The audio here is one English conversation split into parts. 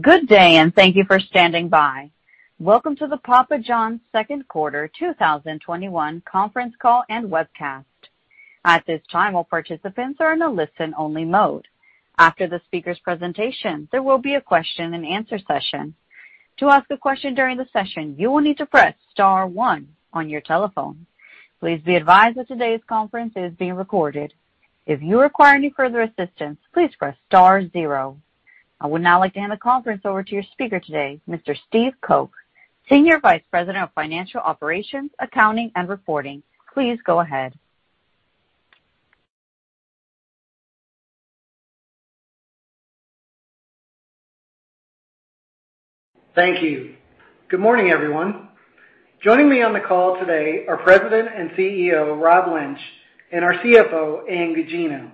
Good day, and thank you for standing by. Welcome to the Papa John's second quarter 2021 conference call and webcast. At this time, all participants are in a listen-only mode. After the speaker's presentation, there will be a question-and-answer session. To ask a question during the session, you will need to press star one on your telephone. Please be advised that today's conference is being recorded. If you require any further assistance, please press star zero. I would now like to hand the conference over to your speaker today, Mr. Steve Coke, Senior Vice President of Financial Operations, Accounting, and Reporting. Please go ahead. Thank you. Good morning, everyone. Joining me on the call today are President and CEO, Rob Lynch, and our CFO, Ann Gugino.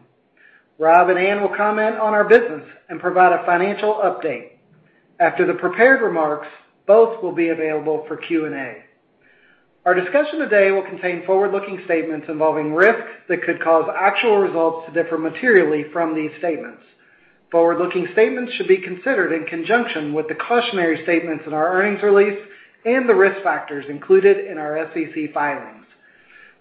Rob and Ann will comment on our business and provide a financial update. After the prepared remarks, both will be available for Q&A. Our discussion today will contain forward-looking statements involving risks that could cause actual results to differ materially from these statements. Forward-looking statements should be considered in conjunction with the cautionary statements in our earnings release and the risk factors included in our SEC filings.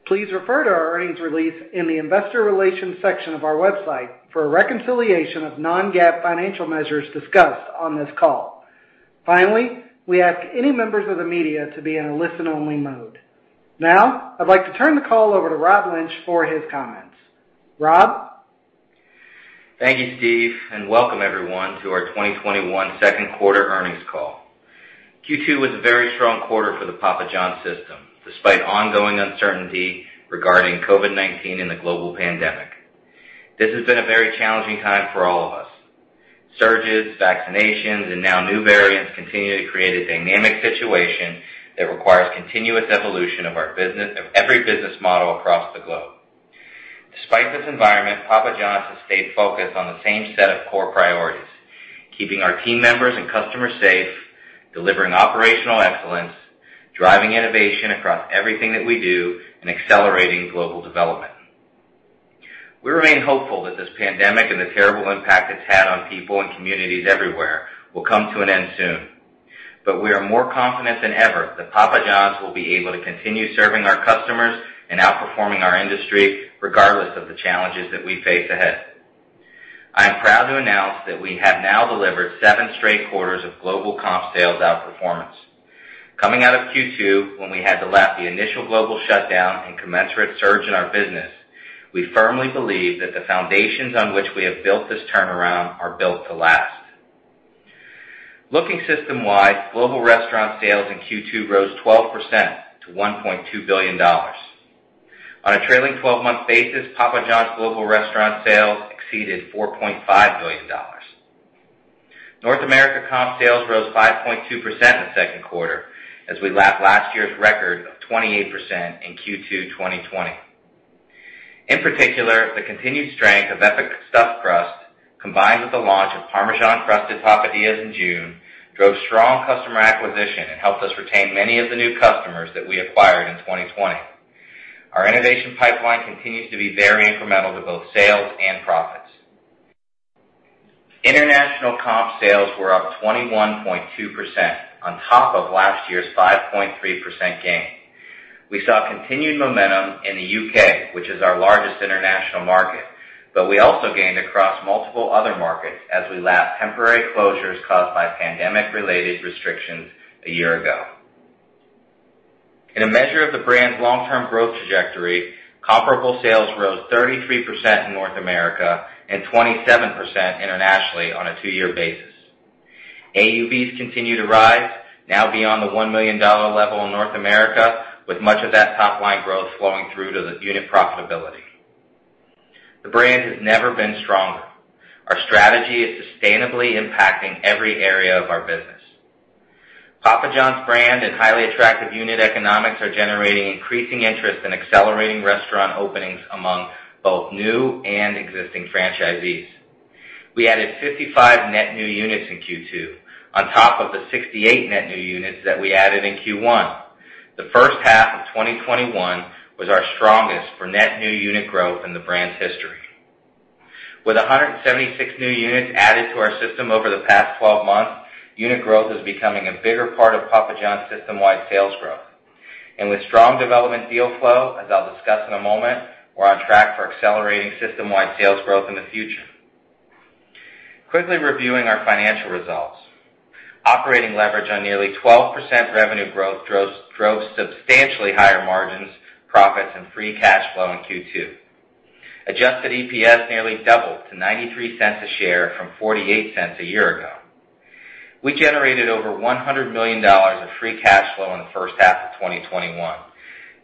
Please refer to our earnings release in the investor relations section of our website for a reconciliation of non-GAAP financial measures discussed on this call. Finally, we ask any members of the media to be in a listen-only mode. I'd like to turn the call over to Rob Lynch for his comments. Rob? Thank you, Steve, and welcome everyone to our 2021 second quarter earnings call. Q2 was a very strong quarter for the Papa John's system, despite ongoing uncertainty regarding COVID-19 and the global pandemic. This has been a very challenging time for all of us. Surges, vaccinations, and now new variants continue to create a dynamic situation that requires continuous evolution of every business model across the globe. Despite this environment, Papa John's has stayed focused on the same set of core priorities, keeping our team members and customers safe, delivering operational excellence, driving innovation across everything that we do, and accelerating global development. We remain hopeful that this pandemic and the terrible impact it's had on people and communities everywhere will come to an end soon, but we are more confident than ever that Papa John's will be able to continue serving our customers and outperforming our industry regardless of the challenges that we face ahead. I am proud to announce that we have now delivered seven straight quarters of global comp sales outperformance. Coming out of Q2, when we had to lap the initial global shutdown and commensurate surge in our business, we firmly believe that the foundations on which we have built this turnaround are built to last. Looking system-wide, global restaurant sales in Q2 rose 12% to $1.2 billion. On a trailing 12-month basis, Papa John's global restaurant sales exceeded $4.5 billion. North America comp sales rose 5.2% in the second quarter, as we lapped last year's record of 28% in Q2 2020. In particular, the continued strength of Epic Stuffed Crust, combined with the launch of Parmesan Crusted Papadias in June, drove strong customer acquisition and helped us retain many of the new customers that we acquired in 2020. Our innovation pipeline continues to be very incremental to both sales and profits. International comp sales were up 21.2% on top of last year's 5.3% gain. We saw continued momentum in the U.K., which is our largest international market, but we also gained across multiple other markets as we lapped temporary closures caused by pandemic-related restrictions a year ago. In a measure of the brand's long-term growth trajectory, comparable sales rose 33% in North America and 27% internationally on a two-year basis. AUVs continue to rise, now beyond the $1 million level in North America, with much of that top-line growth flowing through to the unit profitability. The brand has never been stronger. Our strategy is sustainably impacting every area of our business. Papa John's brand and highly attractive unit economics are generating increasing interest in accelerating restaurant openings among both new and existing franchisees. We added 55 net new units in Q2, on top of the 68 net new units that we added in Q1. The first half of 2021 was our strongest for net new unit growth in the brand's history. With 176 new units added to our system over the past 12 months, unit growth is becoming a bigger part of Papa John's system-wide sales growth. With strong development deal flow, as I'll discuss in a moment, we're on track for accelerating system-wide sales growth in the future. Quickly reviewing our financial results. Operating leverage on nearly 12% revenue growth drove substantially higher margins, profits, and free cash flow in Q2. Adjusted EPS nearly doubled to $0.93 a share from $0.48 a year ago. We generated over $100 million of free cash flow in the first half of 2021,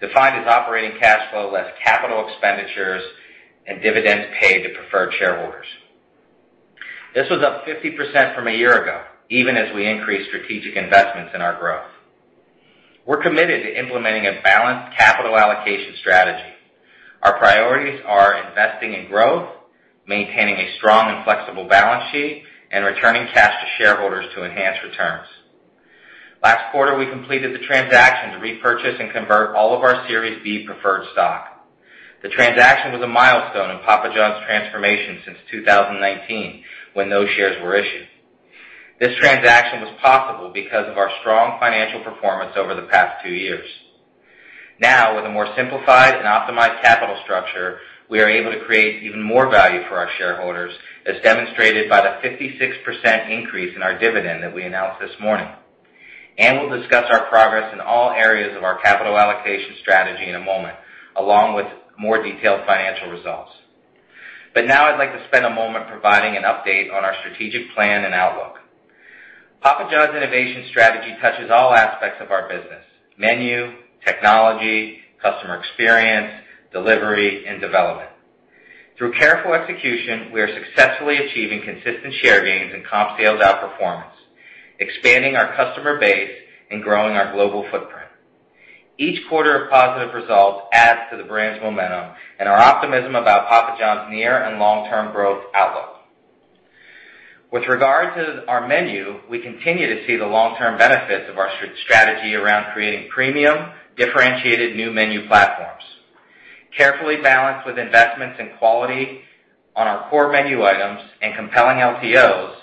defined as operating cash flow less capital expenditures and dividends paid to preferred shareholders. This was up 50% from a year ago, even as we increased strategic investments in our growth. We're committed to implementing a balanced capital allocation strategy. Our priorities are investing in growth, maintaining a strong and flexible balance sheet, and returning cash to shareholders to enhance returns. Last quarter, we completed the transaction to repurchase and convert all of our Series B preferred stock. The transaction was a milestone in Papa John's transformation since 2019, when those shares were issued. This transaction was possible because of our strong financial performance over the past two years. Now, with a more simplified and optimized capital structure, we are able to create even more value for our shareholders, as demonstrated by the 56% increase in our dividend that we announced this morning. We'll discuss our progress in all areas of our capital allocation strategy in a moment, along with more detailed financial results. Now I'd like to spend a moment providing an update on our strategic plan and outlook. Papa John's innovation strategy touches all aspects of our business: menu, technology, customer experience, delivery, and development. Through careful execution, we are successfully achieving consistent share gains and comp sales outperformance, expanding our customer base, and growing our global footprint. Each quarter of positive results adds to the brand's momentum and our optimism about Papa John's near and long-term growth outlook. With regard to our menu, we continue to see the long-term benefits of our strategy around creating premium, differentiated new menu platforms. Carefully balanced with investments in quality on our core menu items and compelling LTOs,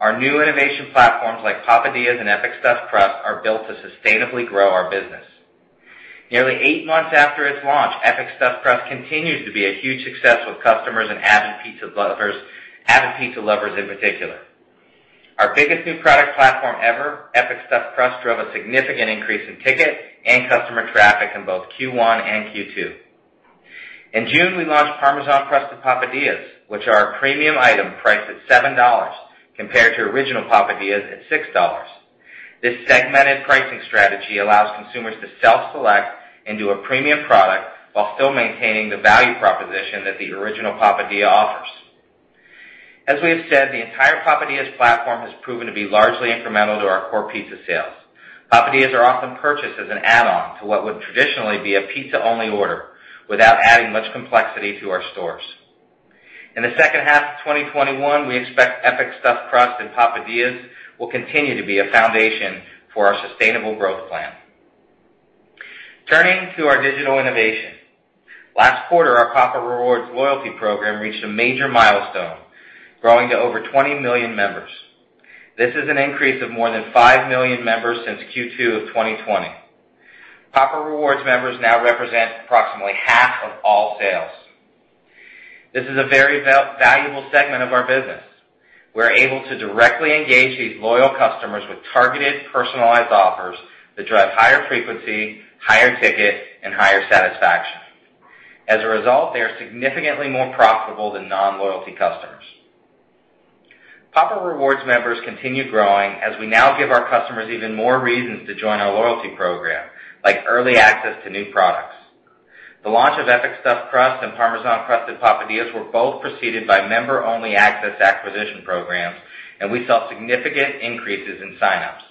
our new innovation platforms like Papadias and Epic Stuffed Crust are built to sustainably grow our business. Nearly eight months after its launch, Epic Stuffed Crust continues to be a huge success with customers and avid pizza lovers in particular. Our biggest new product platform ever, Epic Stuffed Crust, drove a significant increase in ticket and customer traffic in both Q1 and Q2. In June, we launched Parmesan Crusted Papadias, which are a premium item priced at $7, compared to original Papadias at $6. This segmented pricing strategy allows consumers to self-select into a premium product while still maintaining the value proposition that the original Papadia offers. As we have said, the entire Papadias platform has proven to be largely incremental to our core pizza sales. Papadias are often purchased as an add-on to what would traditionally be a pizza-only order without adding much complexity to our stores. In the second half of 2021, we expect Epic Stuffed Crust and Papadias will continue to be a foundation for our sustainable growth plan. Turning to our digital innovation. Last quarter, our Papa Rewards loyalty program reached a major milestone, growing to over 20 million members. This is an increase of more than 5 million members since Q2 of 2020. Papa Rewards members now represent approximately half of all sales. This is a very valuable segment of our business. We're able to directly engage these loyal customers with targeted, personalized offers that drive higher frequency, higher ticket, and higher satisfaction. As a result, they are significantly more profitable than non-loyalty customers. Papa Rewards members continue growing as we now give our customers even more reasons to join our loyalty program, like early access to new products. The launch of Epic Stuffed Crust and Parmesan Crusted Papadias were both preceded by member-only access acquisition programs, and we saw significant increases in sign-ups.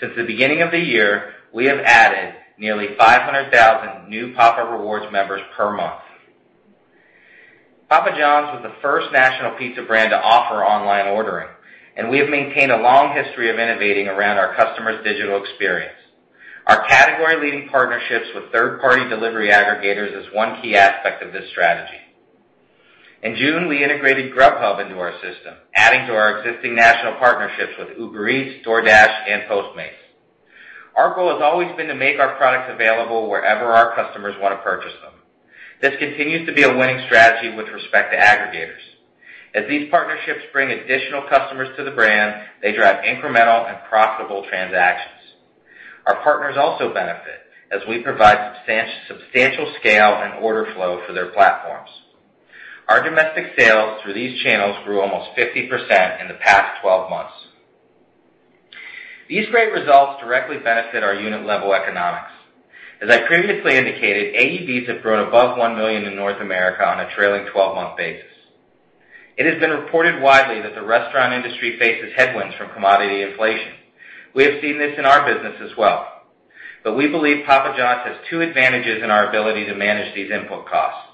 Since the beginning of the year, we have added nearly 500,000 new Papa Rewards members per month. Papa John's was the first national pizza brand to offer online ordering, and we have maintained a long history of innovating around our customers' digital experience. Our category-leading partnerships with third-party delivery aggregators is one key aspect of this strategy. In June, we integrated Grubhub into our system, adding to our existing national partnerships with Uber Eats, DoorDash, and Postmates. Our goal has always been to make our products available wherever our customers want to purchase them. This continues to be a winning strategy with respect to aggregators. As these partnerships bring additional customers to the brand, they drive incremental and profitable transactions. Our partners also benefit, as we provide substantial scale and order flow for their platforms. Our domestic sales through these channels grew almost 50% in the past 12 months. These great results directly benefit our unit-level economics. As I previously indicated, AUVs have grown above $1 million in North America on a trailing 12-month basis. It has been reported widely that the restaurant industry faces headwinds from commodity inflation. We believe Papa John's has two advantages in our ability to manage these input costs.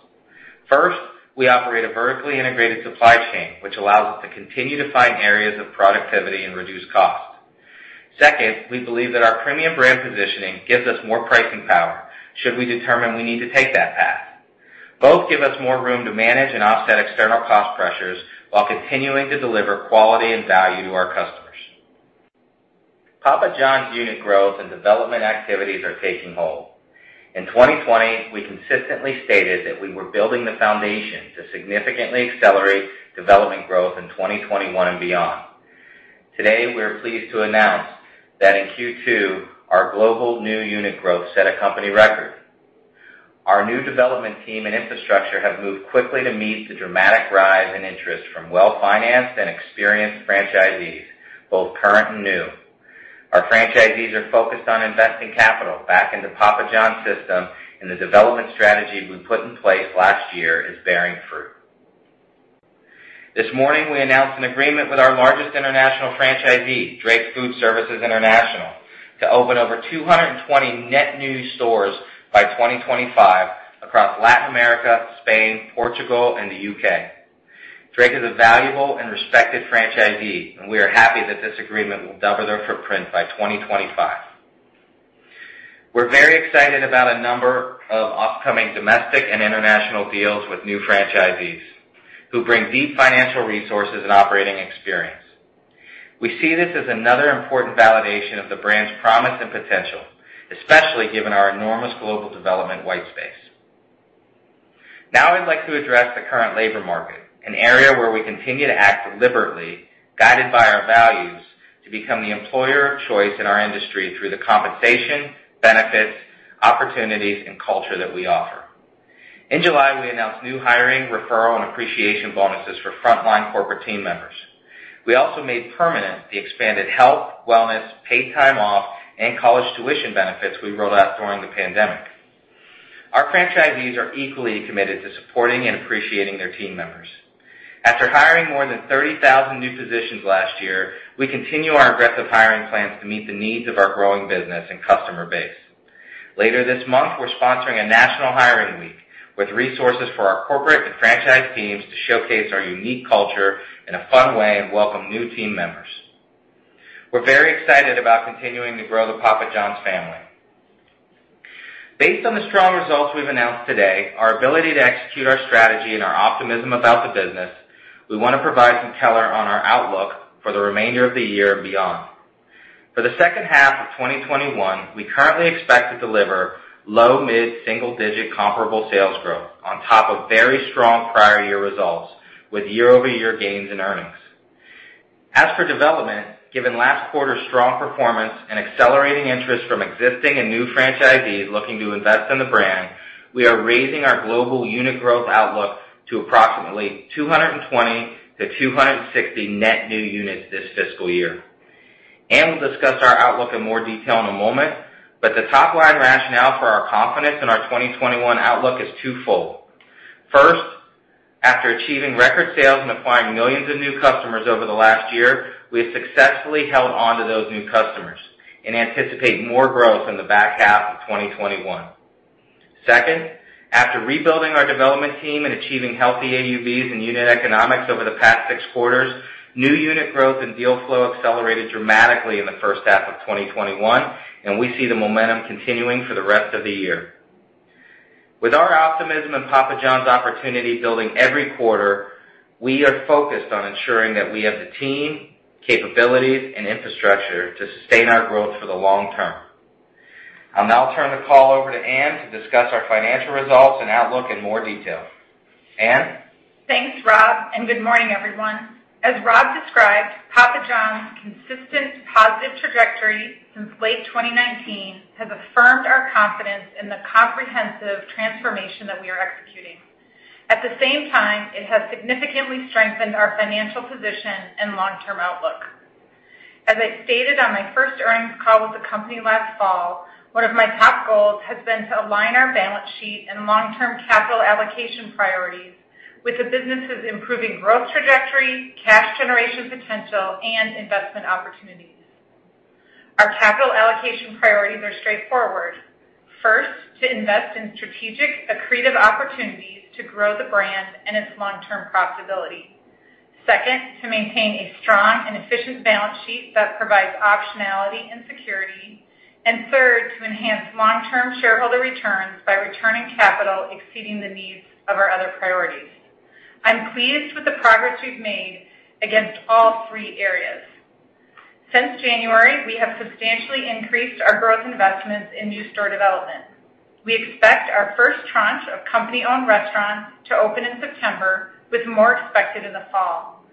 First, we operate a vertically integrated supply chain, which allows us to continue to find areas of productivity and reduce cost. Second, we believe that our premium brand positioning gives us more pricing power should we determine we need to take that path. Both give us more room to manage and offset external cost pressures while continuing to deliver quality and value to our customers. Papa John's unit growth and development activities are taking hold. In 2020, we consistently stated that we were building the foundation to significantly accelerate development growth in 2021 and beyond. Today, we are pleased to announce that in Q2, our global new unit growth set a company record. Our new development team and infrastructure have moved quickly to meet the dramatic rise in interest from well-financed and experienced franchisees, both current and new. Our franchisees are focused on investing capital back into Papa John's system, and the development strategy we put in place last year is bearing fruit. This morning, we announced an agreement with our largest international franchisee, Drake Food Service International, to open over 220 net new stores by 2025 across Latin America, Spain, Portugal, and the U.K. Drake is a valuable and respected franchisee, and we are happy that this agreement will double their footprint by 2025. We're very excited about a number of upcoming domestic and international deals with new franchisees who bring deep financial resources and operating experience. We see this as another important validation of the brand's promise and potential, especially given our enormous global development white space. Now I'd like to address the current labor market, an area where we continue to act deliberately, guided by our values to become the employer of choice in our industry through the compensation, benefits, opportunities, and culture that we offer. In July, we announced new hiring, referral, and appreciation bonuses for frontline corporate team members. We also made permanent the expanded health, wellness, paid time off, and college tuition benefits we rolled out during the pandemic. Our franchisees are equally committed to supporting and appreciating their team members. After hiring more than 30,000 new positions last year, we continue our aggressive hiring plans to meet the needs of our growing business and customer base. Later this month, we're sponsoring a national hiring week with resources for our corporate and franchise teams to showcase our unique culture in a fun way and welcome new team members. We're very excited about continuing to grow the Papa John's family. Based on the strong results we've announced today, our ability to execute our strategy, and our optimism about the business, we want to provide some color on our outlook for the remainder of the year and beyond. For the second half of 2021, we currently expect to deliver low mid-single-digit comparable sales growth on top of very strong prior year results with year-over-year gains in earnings. As for development, given last quarter's strong performance and accelerating interest from existing and new franchisees looking to invest in the brand, we are raising our global unit growth outlook to approximately 220 net new units-260 net new units this fiscal year. Ann will discuss our outlook in more detail in a moment, but the top-line rationale for our confidence in our 2021 outlook is twofold. First, after achieving record sales and acquiring millions of new customers over the last year, we have successfully held onto those new customers and anticipate more growth in the back half of 2021. Second, after rebuilding our development team and achieving healthy AUVs and unit economics over the past six quarters, new unit growth and deal flow accelerated dramatically in the first half of 2021, and we see the momentum continuing for the rest of the year. With our optimism in Papa John's opportunity building every quarter, we are focused on ensuring that we have the team, capabilities, and infrastructure to sustain our growth for the long term. I'll now turn the call over to Ann to discuss our financial results and outlook in more detail. Ann? Thanks, Rob, and good morning, everyone. As Rob described, Papa John's consistent positive trajectory since late 2019 has affirmed our confidence in the comprehensive transformation that we are executing. At the same time, it has significantly strengthened our financial position and long-term outlook. As I stated on my first earnings call with the company last fall, one of my top goals has been to align our balance sheet and long-term capital allocation priorities with the business' improving growth trajectory, cash generation potential, and investment opportunities. Our capital allocation priorities are straightforward. First, to invest in strategic, accretive opportunities to grow the brand and its long-term profitability. Second, to maintain a strong and efficient balance sheet that provides optionality and security. Third, to enhance long-term shareholder returns by returning capital exceeding the needs of our other priorities. I'm pleased with the progress we've made against all three areas. Since January, we have substantially increased our growth investments in new store development. We expect our first tranche of company-owned restaurants to open in September, with more expected in the fall.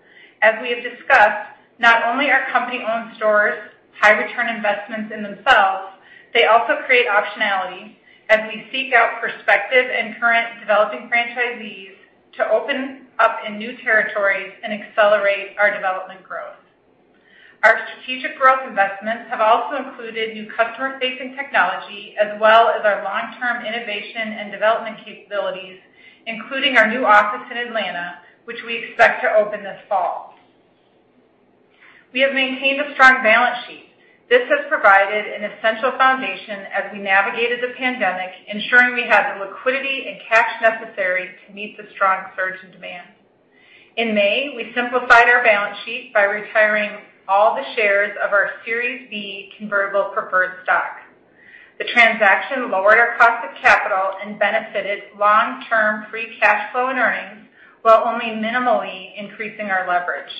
As we have discussed, not only are company-owned stores high return investments in themselves, they also create optionality as we seek out prospective and current developing franchisees to open up in new territories and accelerate our development growth. Our strategic growth investments have also included new customer-facing technology as well as our long-term innovation and development capabilities, including our new office in Atlanta, which we expect to open this fall. We have maintained a strong balance sheet. This has provided an essential foundation as we navigated the pandemic, ensuring we had the liquidity and cash necessary to meet the strong surge in demand. In May, we simplified our balance sheet by retiring all the shares of our Series B convertible preferred stock. The transaction lowered our cost of capital and benefited long-term free cash flow and earnings while only minimally increasing our leverage.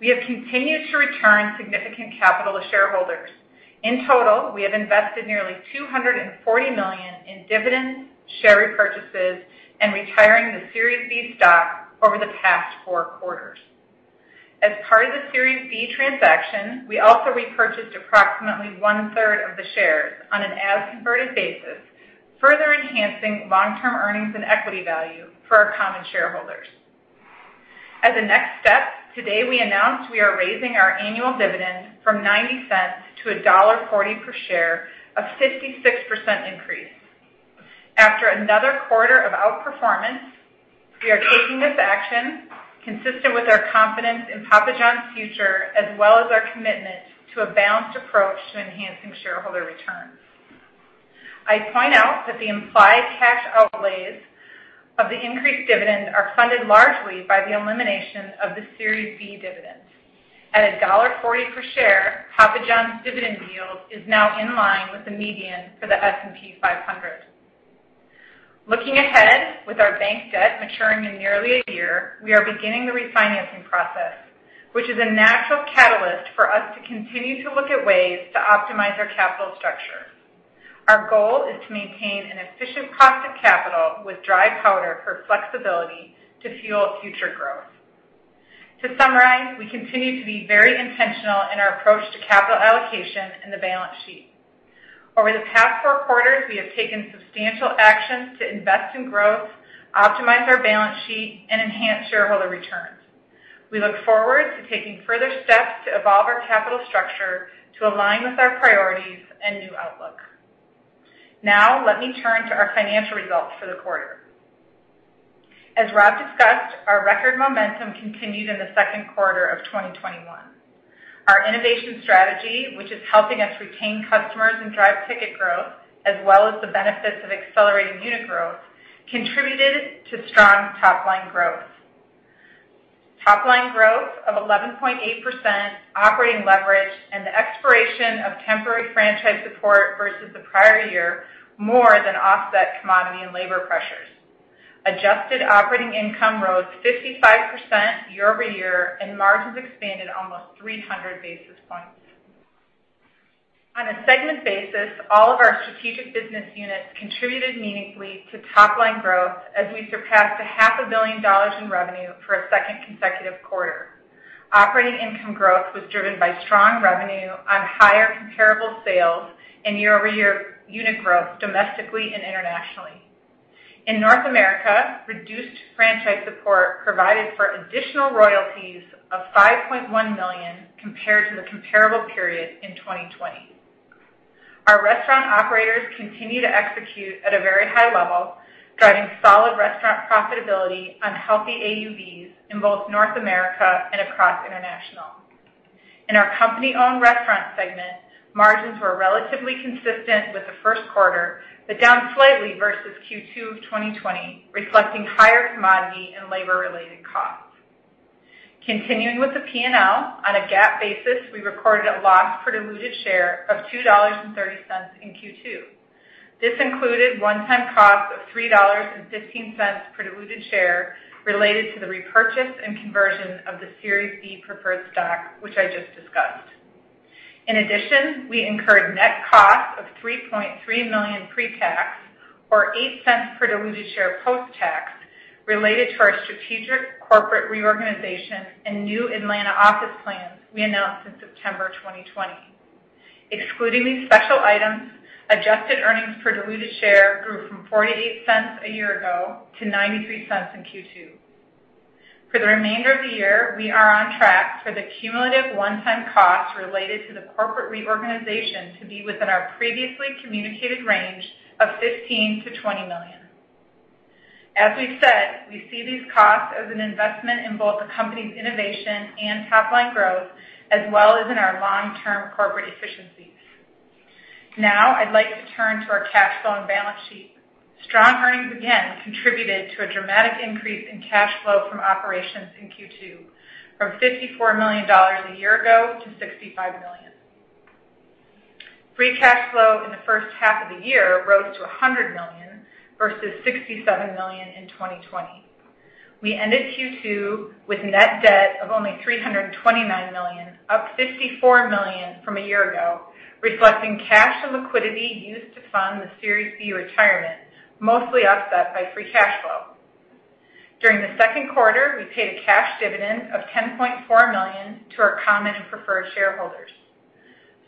We have continued to return significant capital to shareholders. In total, we have invested nearly $240 million in dividends, share repurchases, and retiring the Series B stock over the past four quarters. As part of the Series B transaction, we also repurchased approximately 1/3 of the shares on an as-converted basis, further enhancing long-term earnings and equity value for our common shareholders. As a next step, today we announced we are raising our annual dividend from $0.90 to $1.40 per share, a 56% increase. After another quarter of outperformance, we are taking this action consistent with our confidence in Papa John's future, as well as our commitment to a balanced approach to enhancing shareholder returns. I point out that the implied cash outlays of the increased dividend are funded largely by the elimination of the Series B dividends. At $1.40 per share, Papa John's dividend yield is now in line with the median for the S&P 500. Looking ahead, with our bank debt maturing in nearly a year, we are beginning the refinancing process, which is a natural catalyst for us to continue to look at ways to optimize our capital structure. Our goal is to maintain an efficient cost of capital with dry powder for flexibility to fuel future growth. To summarize, we continue to be very intentional in our approach to capital allocation and the balance sheet. Over the past four quarters, we have taken substantial actions to invest in growth, optimize our balance sheet, and enhance shareholder returns. We look forward to taking further steps to evolve our capital structure to align with our priorities and new outlook. Now, let me turn to our financial results for the quarter. As Rob discussed, our record momentum continued in the second quarter of 2021. Our innovation strategy, which is helping us retain customers and drive ticket growth, as well as the benefits of accelerating unit growth, contributed to strong top-line growth. Top-line growth of 11.8%, operating leverage, and the expiration of temporary franchise support versus the prior year more than offset commodity and labor pressures. Adjusted operating income rose 55% year-over-year, and margins expanded almost 300 basis points. On a segment basis, all of our strategic business units contributed meaningfully to top-line growth as we surpassed a half a billion dollars in revenue for a second consecutive quarter. Operating income growth was driven by strong revenue on higher comparable sales and year-over-year unit growth domestically and internationally. In North America, reduced franchise support provided for additional royalties of $5.1 million compared to the comparable period in 2020. Our restaurant operators continue to execute at a very high level, driving solid restaurant profitability on healthy AUVs in both North America and across international. In our company-owned restaurant segment, margins were relatively consistent with the first quarter, but down slightly versus Q2 of 2020, reflecting higher commodity and labor-related costs. Continuing with the P&L, on a GAAP basis, we recorded a loss per diluted share of $2.30 in Q2. This included one-time cost of $3.15 per diluted share related to the repurchase and conversion of the Series B preferred stock, which I just discussed. In addition, we incurred net costs of $3.3 million pre-tax, or $0.08 per diluted share post-tax, related to our strategic corporate reorganization and new Atlanta office plans we announced in September 2020. Excluding these special items, adjusted earnings per diluted share grew from $0.48 a year ago to $0.93 in Q2. For the remainder of the year, we are on track for the cumulative one-time costs related to the corporate reorganization to be within our previously communicated range of $15 million-$20 million. As we've said, we see these costs as an investment in both the company's innovation and top-line growth, as well as in our long-term corporate efficiencies. Now, I'd like to turn to our cash flow and balance sheet. Strong earnings again contributed to a dramatic increase in cash flow from operations in Q2, from $54 million a year ago to $65 million. Free cash flow in the first half of the year rose to $100 million versus $67 million in 2020. We ended Q2 with net debt of only $329 million, up $54 million from a year ago, reflecting cash and liquidity used to fund the Series B retirement, mostly offset by free cash flow. During the second quarter, we paid a cash dividend of $10.4 million to our common and preferred shareholders.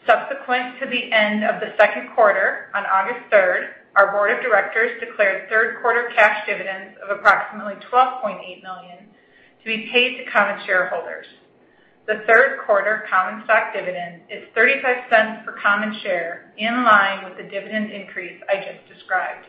Subsequent to the end of the second quarter, on August 3rd, our board of directors declared third quarter cash dividends of approximately $12.8 million to be paid to common shareholders. The third quarter common stock dividend is $0.35 per common share, in line with the dividend increase I just described.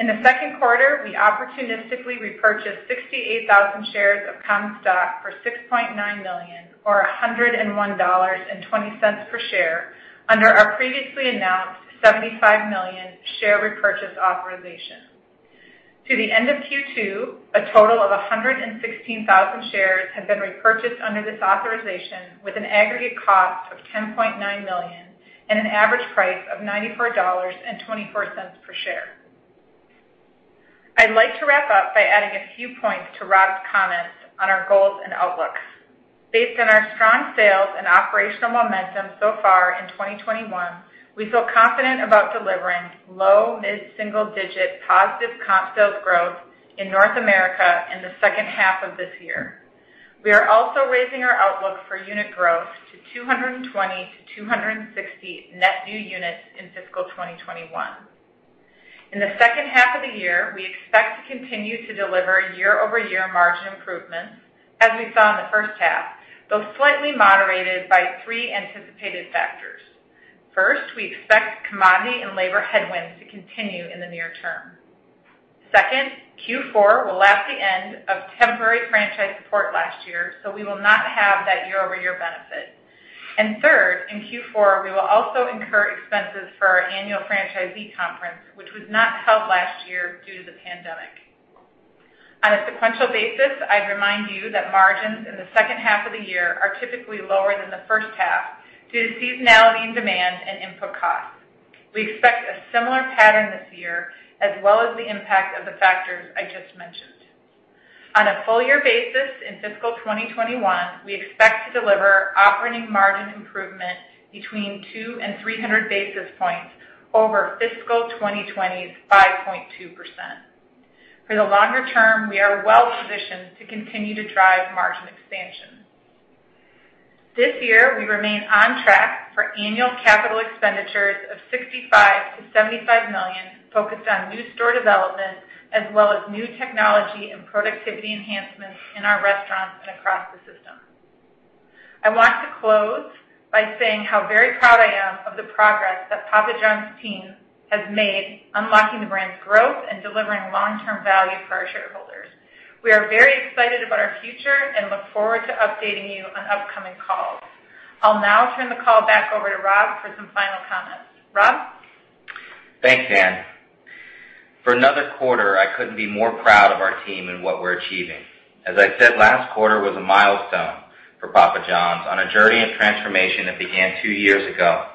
In the second quarter, we opportunistically repurchased 68,000 shares of common stock for $6.9 million, or $101.20 per share, under our previously announced 75 million share repurchase authorization. To the end of Q2, a total of 116,000 shares have been repurchased under this authorization with an aggregate cost of $10.9 million and an average price of $94.24 per share. I'd like to wrap up by adding a few points to Rob's comments on our goals and outlooks. Based on our strong sales and operational momentum so far in 2021, we feel confident about delivering low mid-single digit positive comp sales growth in North America in the second half of this year. We are also raising our outlook for unit growth to 220-260 net new units in fiscal 2021. In the second half of the year, we expect to continue to deliver year-over-year margin improvements, as we saw in the first half, though slightly moderated by three anticipated factors. First, we expect commodity and labor headwinds to continue in the near term. Second, Q4 will lap the end of temporary franchise support last year, so we will not have that year-over-year benefit. Third, in Q4, we will also incur expenses for our annual franchisee conference, which was not held last year due to the pandemic. On a sequential basis, I'd remind you that margins in the second half of the year are typically lower than the first half due to seasonality in demand and input costs. We expect a similar pattern this year, as well as the impact of the factors I just mentioned. On a full year basis in fiscal 2021, we expect to deliver operating margin improvement between two and 300 basis points over fiscal 2020's 5.2%. For the longer term, we are well-positioned to continue to drive margin expansion. This year, we remain on track for annual capital expenditures of $65 million-$75 million, focused on new store development as well as new technology and productivity enhancements in our restaurants and across the system. I want to close by saying how very proud I am of the progress that Papa John's team has made, unlocking the brand's growth and delivering long-term value for our shareholders. We are very excited about our future and look forward to updating you on upcoming calls. I'll now turn the call back over to Rob for some final comments. Rob? Thanks, Ann. For another quarter, I couldn't be more proud of our team and what we're achieving. As I said, last quarter was a milestone for Papa John's on a journey of transformation that began two years ago.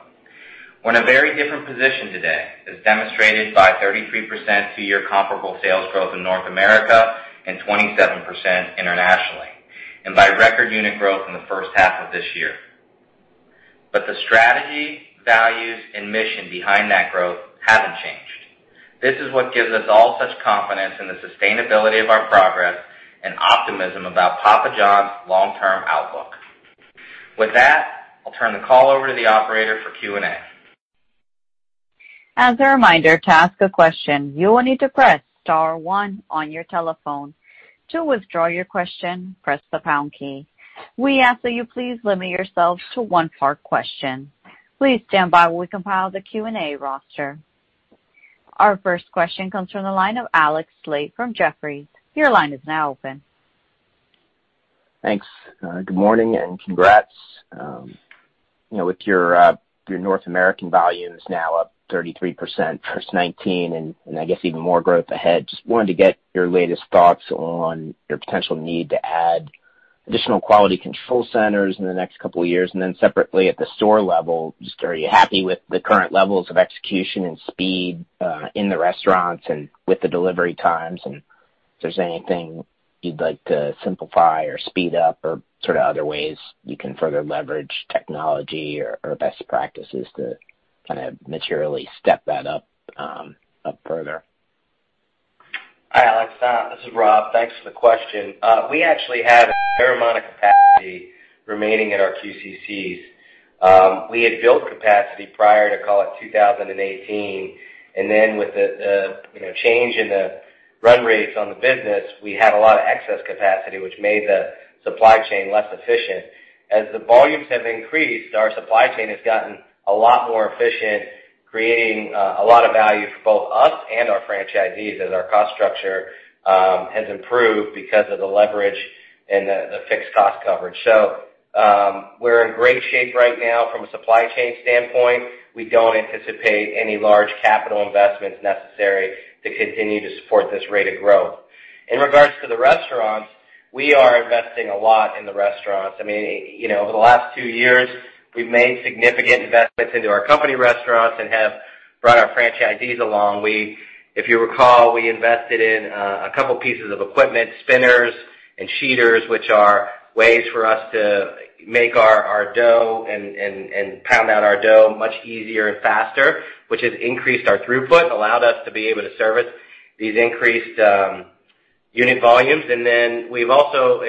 We're in a very different position today, as demonstrated by 33% two-year comparable sales growth in North America and 27% internationally, and by record unit growth in the first half of this year. The strategy, values, and mission behind that growth haven't changed. This is what gives us all such confidence in the sustainability of our progress and optimism about Papa John's long-term outlook. With that, I'll turn the call over to the operator for Q&A. As a reminder to ask a question, you will need to press star one on your telephone. To withdraw your question, press the pound key. We ask that you please limit yourself to one part question. Please stand by we compile the Q&A roster. Our first question comes from the line of Alex Slagle from Jefferies. Your line is now open. Thanks. Good morning and congrats. With your North American volumes now up 33% post-19, and I guess even more growth ahead, just wanted to get your latest thoughts on your potential need to add additional Quality Control Centers in the next couple of years. Separately at the store level, just are you happy with the current levels of execution and speed in the restaurants and with the delivery times? If there's anything you'd like to simplify or speed up or other ways you can further leverage technology or best practices to materially step that up further. Hi, Alex. This is Rob. Thanks for the question. We actually have a fair amount of capacity remaining at our QCCs. We had built capacity prior to, call it 2018, and then with the change in the run rates on the business, we had a lot of excess capacity, which made the supply chain less efficient. As the volumes have increased, our supply chain has gotten a lot more efficient, creating a lot of value for both us and our franchisees as our cost structure has improved because of the leverage and the fixed cost coverage. We're in great shape right now from a supply chain standpoint. We don't anticipate any large capital investments necessary to continue to support this rate of growth. In regards to the restaurants, we are investing a lot in the restaurants. Over the last two years, we've made significant investments into our company restaurants and have brought our franchisees along. If you recall, we invested in a couple pieces of equipment, spinners and sheeters, which are ways for us to make our dough and pound out our dough much easier and faster, which has increased our throughput and allowed us to be able to service these increased unit volumes. We've also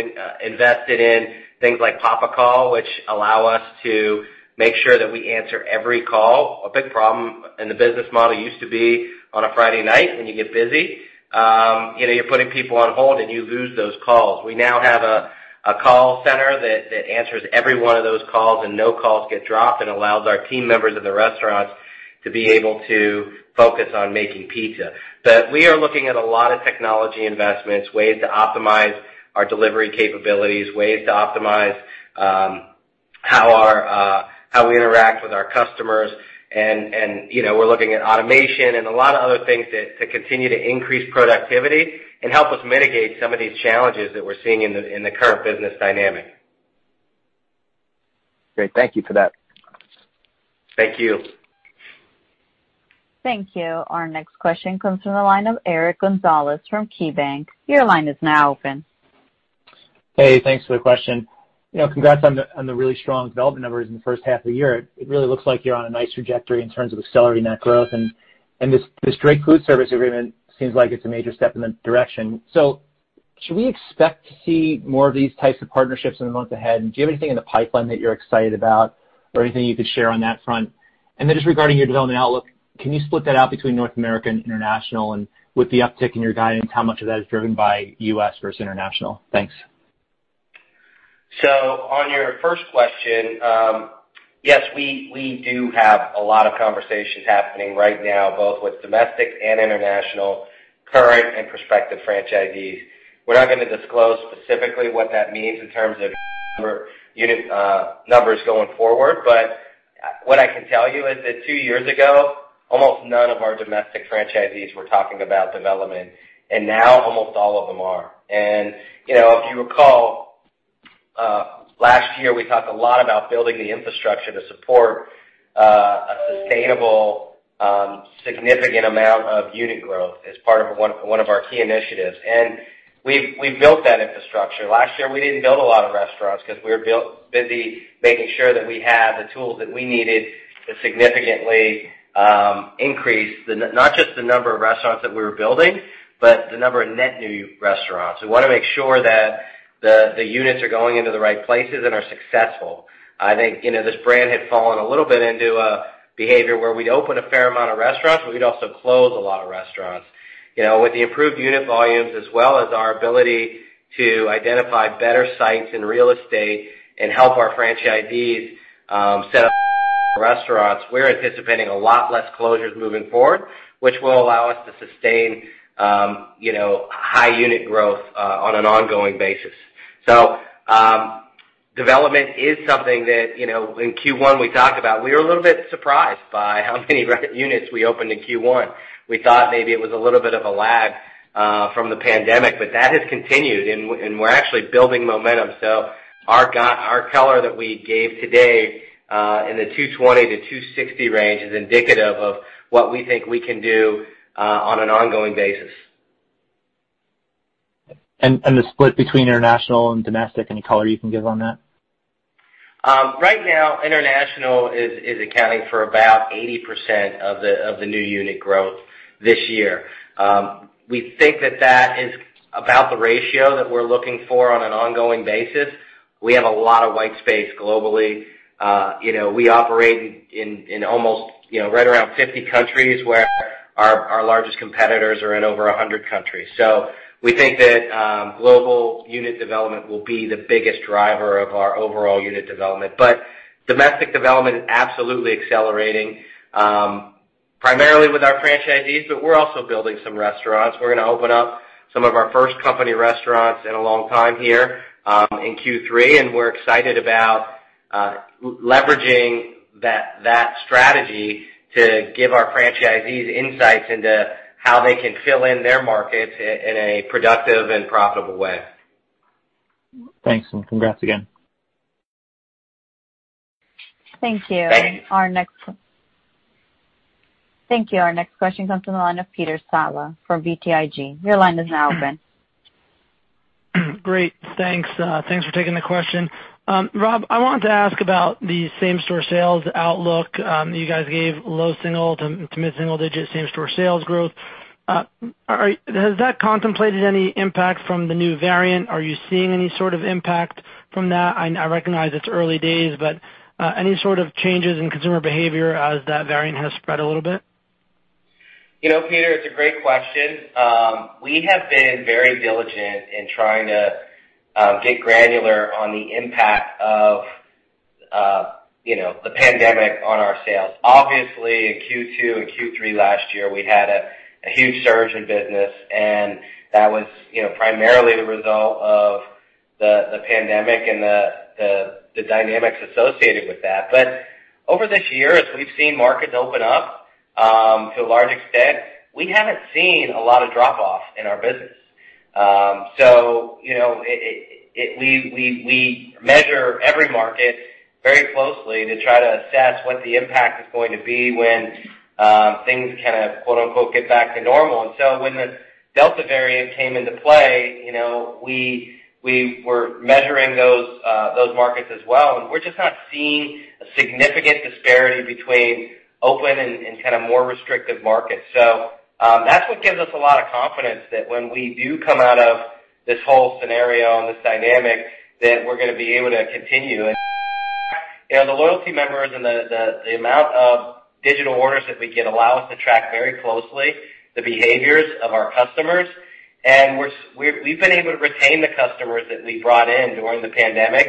invested in things like Papa Call, which allow us to make sure that we answer every call. A big problem in the business model used to be on a Friday night when you get busy. You're putting people on hold, and you lose those calls. We now have a call center that answers every one of those calls, and no calls get dropped and allows our team members in the restaurants to be able to focus on making pizza. We are looking at a lot of technology investments, ways to optimize our delivery capabilities, ways to optimize how we interact with our customers. We're looking at automation and a lot of other things to continue to increase productivity and help us mitigate some of these challenges that we're seeing in the current business dynamic. Great. Thank you for that. Thank you. Thank you. Our next question comes from the line of Eric Gonzalez from KeyBanc. Your line is now open. Hey, thanks for the question. Congrats on the really strong development numbers in the first half of the year. It really looks like you're on a nice trajectory in terms of accelerating that growth. This Drake Food Service agreement seems like it's a major step in the direction. Should we expect to see more of these types of partnerships in the months ahead? Do you have anything in the pipeline that you're excited about or anything you could share on that front? Just regarding your development outlook, can you split that out between North America and International? With the uptick in your guidance, how much of that is driven by U.S. versus International? Thanks. On your first question, yes, we do have a lot of conversations happening right now, both with domestic and international, current and prospective franchisees. We're not going to disclose specifically what that means in terms of unit numbers going forward. What I can tell you is that two years ago, almost none of our domestic franchisees were talking about development, and now almost all of them are. If you recall, last year, we talked a lot about building the infrastructure to support a sustainable, significant amount of unit growth as part of one of our key initiatives. We've built that infrastructure. Last year, we didn't build a lot of restaurants because we were busy making sure that we had the tools that we needed to significantly increase not just the number of restaurants that we were building, but the number of net new restaurants. We want to make sure that the units are going into the right places and are successful. I think this brand had fallen a little bit into a behavior where we'd open a fair amount of restaurants, but we'd also close a lot of restaurants. With the improved unit volumes, as well as our ability to identify better sites in real estate and help our franchisees set up restaurants, we're anticipating a lot less closures moving forward, which will allow us to sustain high unit growth on an ongoing basis. Development is something that in Q1 we talked about. We were a little bit surprised by how many units we opened in Q1. We thought maybe it was a little bit of a lag from the pandemic, but that has continued, and we're actually building momentum. Our color that we gave today in the 220-260 range is indicative of what we think we can do on an ongoing basis. The split between international and domestic, any color you can give on that? Right now, international is accounting for about 80% of the new unit growth this year. We think that that is about the ratio that we're looking for on an ongoing basis. We have a lot of white space globally. We operate in almost right around 50 countries, where our largest competitors are in over 100 countries. We think that global unit development will be the biggest driver of our overall unit development. Domestic development is absolutely accelerating, primarily with our franchisees, but we're also building some restaurants. We're going to open up some of our first company restaurants in a long time here in Q3, and we're excited about leveraging that strategy to give our franchisees insights into how they can fill in their markets in a productive and profitable way. Thanks, congrats again. Thanks. Thank you. Our next question comes from the line of Peter Saleh from BTIG. Your line is now open. Great. Thanks for taking the question. Rob, I wanted to ask about the same-store sales outlook. You guys gave low single-digit to mid-single-digit same-store sales growth. Has that contemplated any impact from the new variant? Are you seeing any sort of impact from that? I recognize it's early days, but any sort of changes in consumer behavior as that variant has spread a little bit? Peter, it's a great question. We have been very diligent in trying to get granular on the impact of the pandemic on our sales. Obviously, in Q2 and Q3 last year, we had a huge surge in business, and that was primarily the result of the pandemic and the dynamics associated with that. Over this year, as we've seen markets open up to a large extent, we haven't seen a lot of drop-off in our business. We measure every market very closely to try to assess what the impact is going to be when things kind of "get back to normal." When the Delta variant came into play, we were measuring those markets as well, and we're just not seeing a significant disparity between open and more restrictive markets. That's what gives us a lot of confidence that when we do come out of this whole scenario and this dynamic, that we're going to be able to continue. The Papa Rewards members and the amount of digital orders that we get allow us to track very closely the behaviors of our customers. We've been able to retain the customers that we brought in during the pandemic.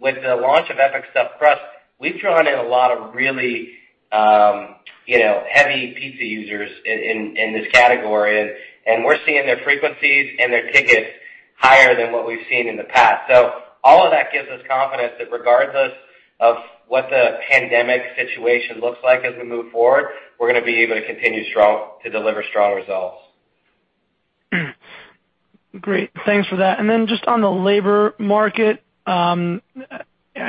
With the launch of Epic Stuffed Crust, we've drawn in a lot of really heavy pizza users in this category, and we're seeing their frequencies and their tickets higher than what we've seen in the past. All of that gives us confidence that regardless of what the pandemic situation looks like as we move forward, we're going to be able to continue to deliver strong results. Great. Thanks for that. Just on the labor market, I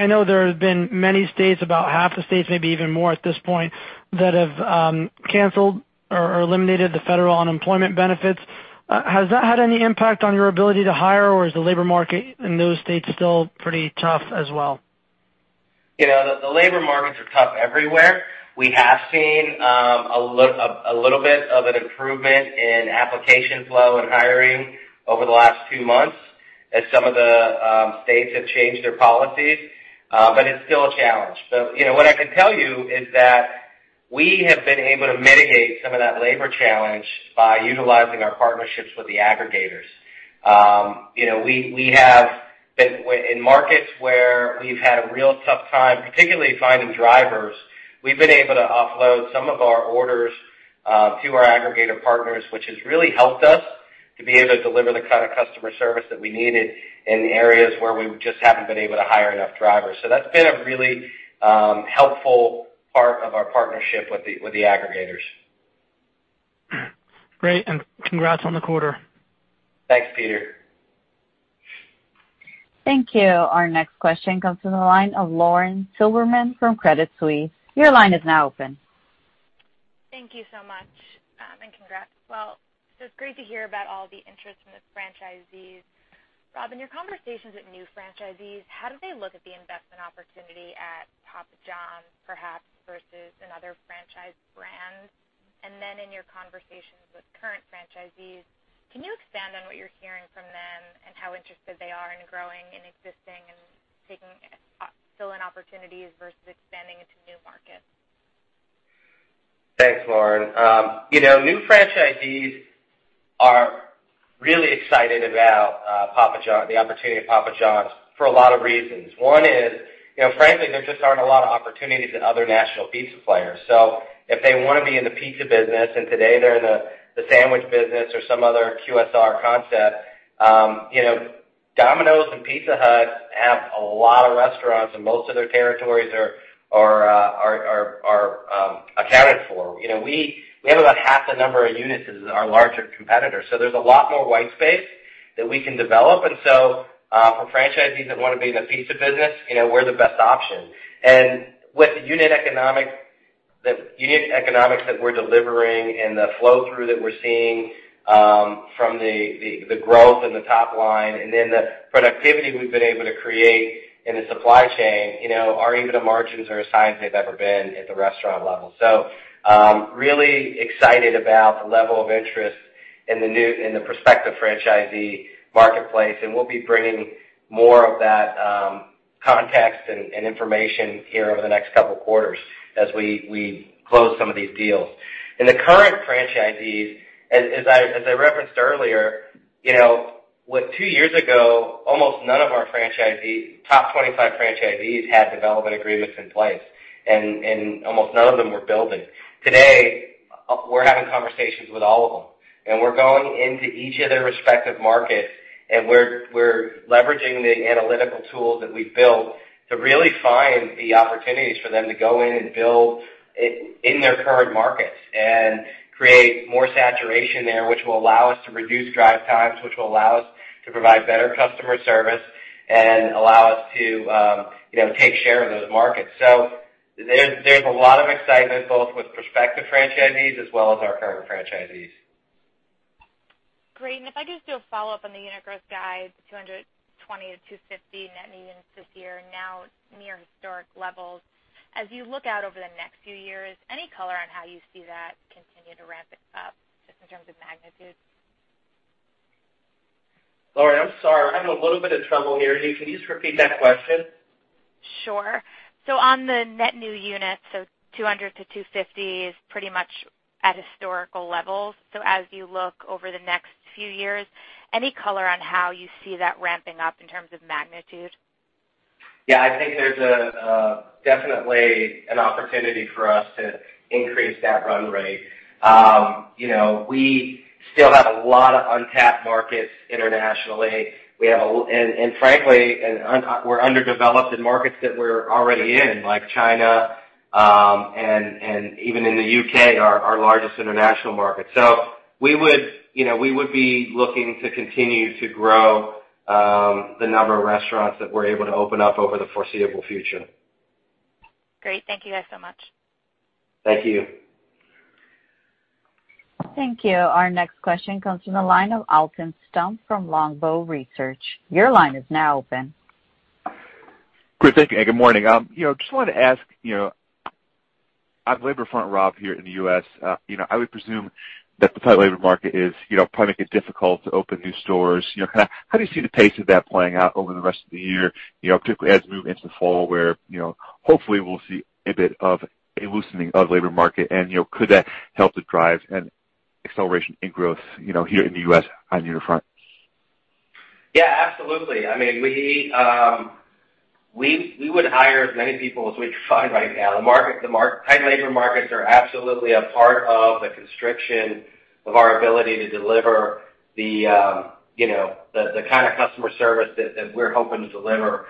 know there have been many states, about half the states, maybe even more at this point, that have canceled or eliminated the federal unemployment benefits. Has that had any impact on your ability to hire, or is the labor market in those states still pretty tough as well? The labor markets are tough everywhere. We have seen a little bit of an improvement in application flow and hiring over the last two months as some of the states have changed their policies. It's still a challenge. What I can tell you is that we have been able to mitigate some of that labor challenge by utilizing our partnerships with the aggregators. In markets where we've had a real tough time, particularly finding drivers, we've been able to offload some of our orders to our aggregator partners, which has really helped us to be able to deliver the kind of customer service that we needed in areas where we just haven't been able to hire enough drivers. That's been a really helpful part of our partnership with the aggregators. Great, congrats on the quarter. Thanks, Peter. Thank you. Our next question comes from the line of Lauren Silberman from Credit Suisse. Your line is now open. Thank you so much. And congrats. Well, it's great to hear about all the interest from the franchisees. Rob, in your conversations with new franchisees, how do they look at the investment opportunity at Papa John's, perhaps versus another franchise brand? In your conversations with current franchisees, can you expand on what you're hearing from them and how interested they are in growing and existing and filling opportunities versus expanding into new markets? Thanks, Lauren. New franchisees are really excited about the opportunity at Papa John's for a lot of reasons. One is, frankly, there just aren't a lot of opportunities at other national pizza players. If they want to be in the pizza business and today they're in the sandwich business or some other QSR concept, Domino's and Pizza Hut have a lot of restaurants, and most of their territories are accounted for. We have about half the number of units as our larger competitors, there's a lot more white space that we can develop. For franchisees that want to be in the pizza business, we're the best option. With the unit economics that we're delivering and the flow-through that we're seeing from the growth in the top line, and then the productivity we've been able to create in the supply chain, our EBITDA margins are as high as they've ever been at the restaurant level. Really excited about the level of interest in the prospective franchisee marketplace, and we'll be bringing more of that context and information here over the next couple of quarters as we close some of these deals. In the current franchisees, as I referenced earlier, two years ago, almost none of our top 25 franchisees had development agreements in place, and almost none of them were building. Today, we're having conversations with all of them, and we're going into each of their respective markets, and we're leveraging the analytical tools that we've built to really find the opportunities for them to go in and build in their current markets and create more saturation there, which will allow us to reduce drive times, which will allow us to provide better customer service and allow us to take share of those markets. There's a lot of excitement both with prospective franchisees as well as our current franchisees. Great. If I could just do a follow-up on the unit growth guide, 220-250 net new units this year. Now it's near historic levels. As you look out over the next few years, any color on how you see that continue to ramp up, just in terms of magnitude? Lauren, I'm sorry. I'm having a little bit of trouble hearing you. Can you just repeat that question? Sure. On the net new units, so 200-250 is pretty much at historical levels. As you look over the next few years, any color on how you see that ramping up in terms of magnitude? I think there's definitely an opportunity for us to increase that run rate. We still have a lot of untapped markets internationally. Frankly, we're underdeveloped in markets that we're already in, like China, and even in the U.K., our largest international market. We would be looking to continue to grow the number of restaurants that we're able to open up over the foreseeable future. Great. Thank you guys so much. Thank you. Thank you. Our next question comes from the line of Alton Stump from Longbow Research. Your line is now open. Great, thank you. Good morning. Just wanted to ask, on the labor front, Rob, here in the U.S., I would presume that the tight labor market is probably making it difficult to open new stores. How do you see the pace of that playing out over the rest of the year, particularly as we move into the fall where hopefully we'll see a bit of a loosening of labor market? Could that help to drive an acceleration in growth here in the U.S. on your front? Yeah, absolutely. We would hire as many people as we could find right now. The tight labor markets are absolutely a part of the constriction of our ability to deliver the kind of customer service that we're hoping to deliver.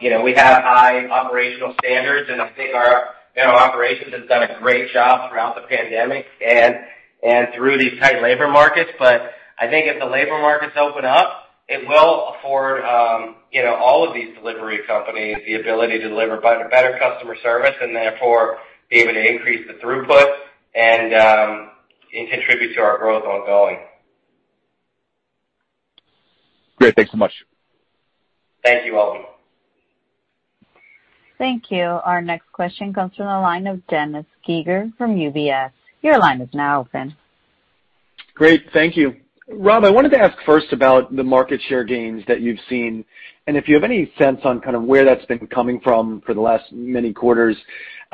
We have high operational standards, and I think our operations has done a great job throughout the pandemic and through these tight labor markets. I think as the labor markets open up, it will afford all of these delivery companies the ability to deliver better customer service and therefore be able to increase the throughput and contribute to our growth ongoing. Great. Thanks so much. Thank you, Alton. Thank you. Our next question comes from the line of Dennis Geiger from UBS. Great. Thank you, Rob, I wanted to ask first about the market share gains that you've seen, and if you have any sense on where that's been coming from for the last many quarters.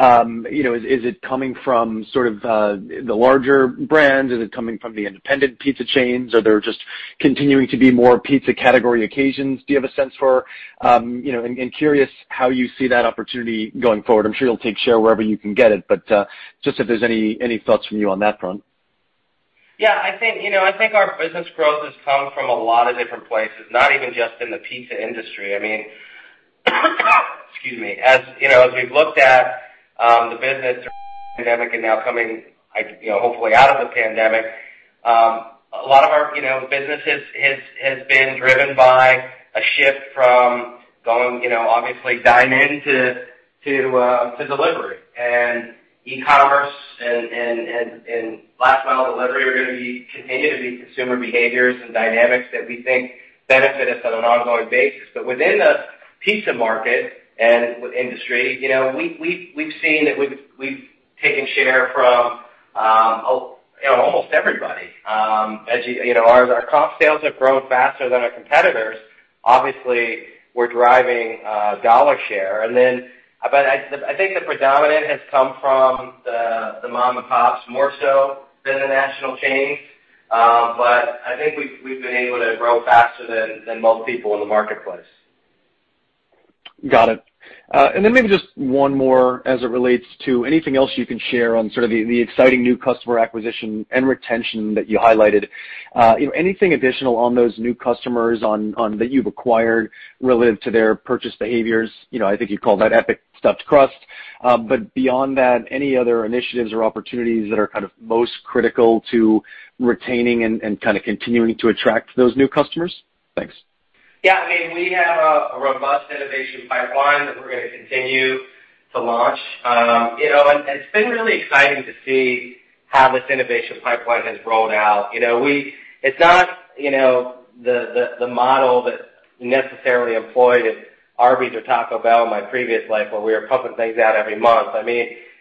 Is it coming from the larger brands? Is it coming from the independent pizza chains? Are there just continuing to be more pizza category occasions? Do you have a sense for and curious how you see that opportunity going forward. I'm sure you'll take share wherever you can get it, but just if there's any thoughts from you on that front. Yeah. I think our business growth has come from a lot of different places, not even just in the pizza industry. Excuse me. As we've looked at the business during the pandemic and now coming, hopefully, out of the pandemic, a lot of our businesses has been driven by a shift from going, obviously, dine-in to delivery and e-commerce and last mile delivery are going to continue to be consumer behaviors and dynamics that we think benefit us on an ongoing basis. Within the pizza market and industry, we've seen that we've taken share from almost everybody. As our comp sales have grown faster than our competitors, obviously, we're driving dollar share. I think the predominant has come from the mom and pops more so than the national chains. I think we've been able to grow faster than most people in the marketplace. Got it. Then maybe just one more as it relates to anything else you can share on the exciting new customer acquisition and retention that you highlighted. Anything additional on those new customers that you've acquired relative to their purchase behaviors? I think you called that Epic Stuffed Crust. Beyond that, any other initiatives or opportunities that are most critical to retaining and continuing to attract those new customers? Thanks. Yeah. We have a robust innovation pipeline that we're going to continue to launch. It's been really exciting to see how this innovation pipeline has rolled out. It's not the model that necessarily employed at Arby's or Taco Bell in my previous life, where we were pumping things out every month.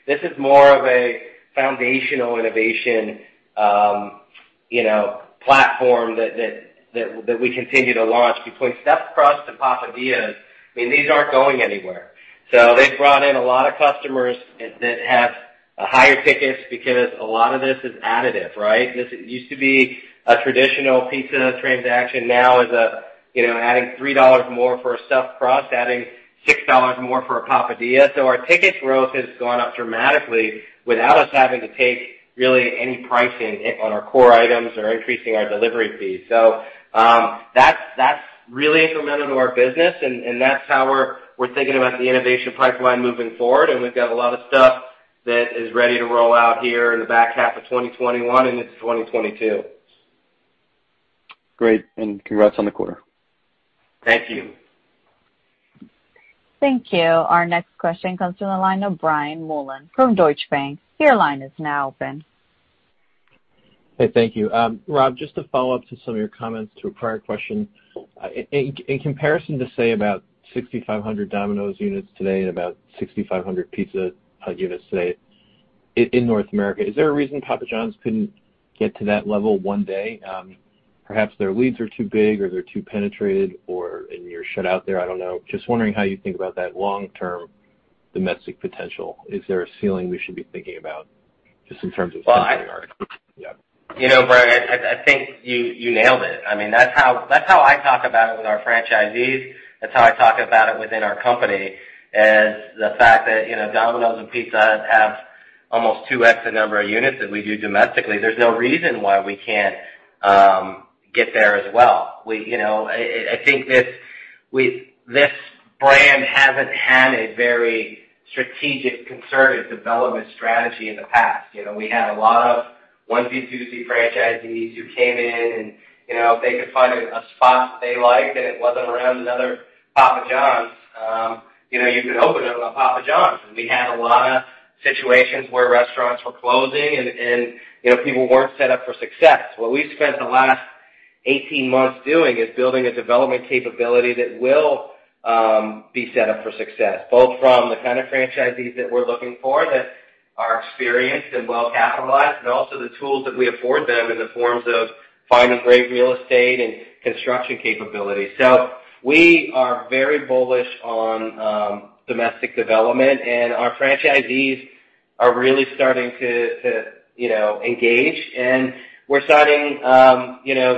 This is more of a foundational innovation platform that we continue to launch. Between Stuffed Crust and Papadia, these aren't going anywhere. They've brought in a lot of customers that have higher tickets because a lot of this is additive. This used to be a traditional pizza transaction, now is adding $3 more for a Stuffed Crust, adding $6 more for a Papadia. Our ticket growth has gone up dramatically without us having to take really any pricing on our core items or increasing our delivery fees. That's really incremental to our business, and that's how we're thinking about the innovation pipeline moving forward, and we've got a lot of stuff that is ready to roll out here in the back half of 2021 into 2022. Great, congrats on the quarter. Thank you. Thank you. Our next question comes from the line of Brian Mullan from Deutsche Bank. Your line is now open. Hey, thank you. Rob, just to follow up to some of your comments to a prior question. In comparison to, say, about 6,500 Domino's units today and about 6,500 Pizza Hut units today in North America, is there a reason Papa John's couldn't get to that level one day? Perhaps their leads are too big, or they're too penetrated, and you're shut out there. I don't know. Just wondering how you think about that long-term domestic potential. Is there a ceiling we should be thinking about just in terms of Yeah. Brian, I think you nailed it. That's how I talk about it with our franchisees. That's how I talk about it within our company, is the fact that Domino's and Pizza Hut have almost 2x the number of units that we do domestically. There's no reason why we can't get there as well. I think this brand hasn't had a very strategic, conservative development strategy in the past. We had a lot of onesie, twosie franchisees who came in, and if they could find a spot that they liked and it wasn't around another Papa John's, you could open another Papa John's. We had a lot of situations where restaurants were closing, and people weren't set up for success. What we've spent the last 18 months doing is building a development capability that will be set up for success, both from the kind of franchisees that we're looking for that are experienced and well-capitalized, and also the tools that we afford them in the forms of finding great real estate and construction capability. We are very bullish on domestic development, and our franchisees are really starting to engage, and we're signing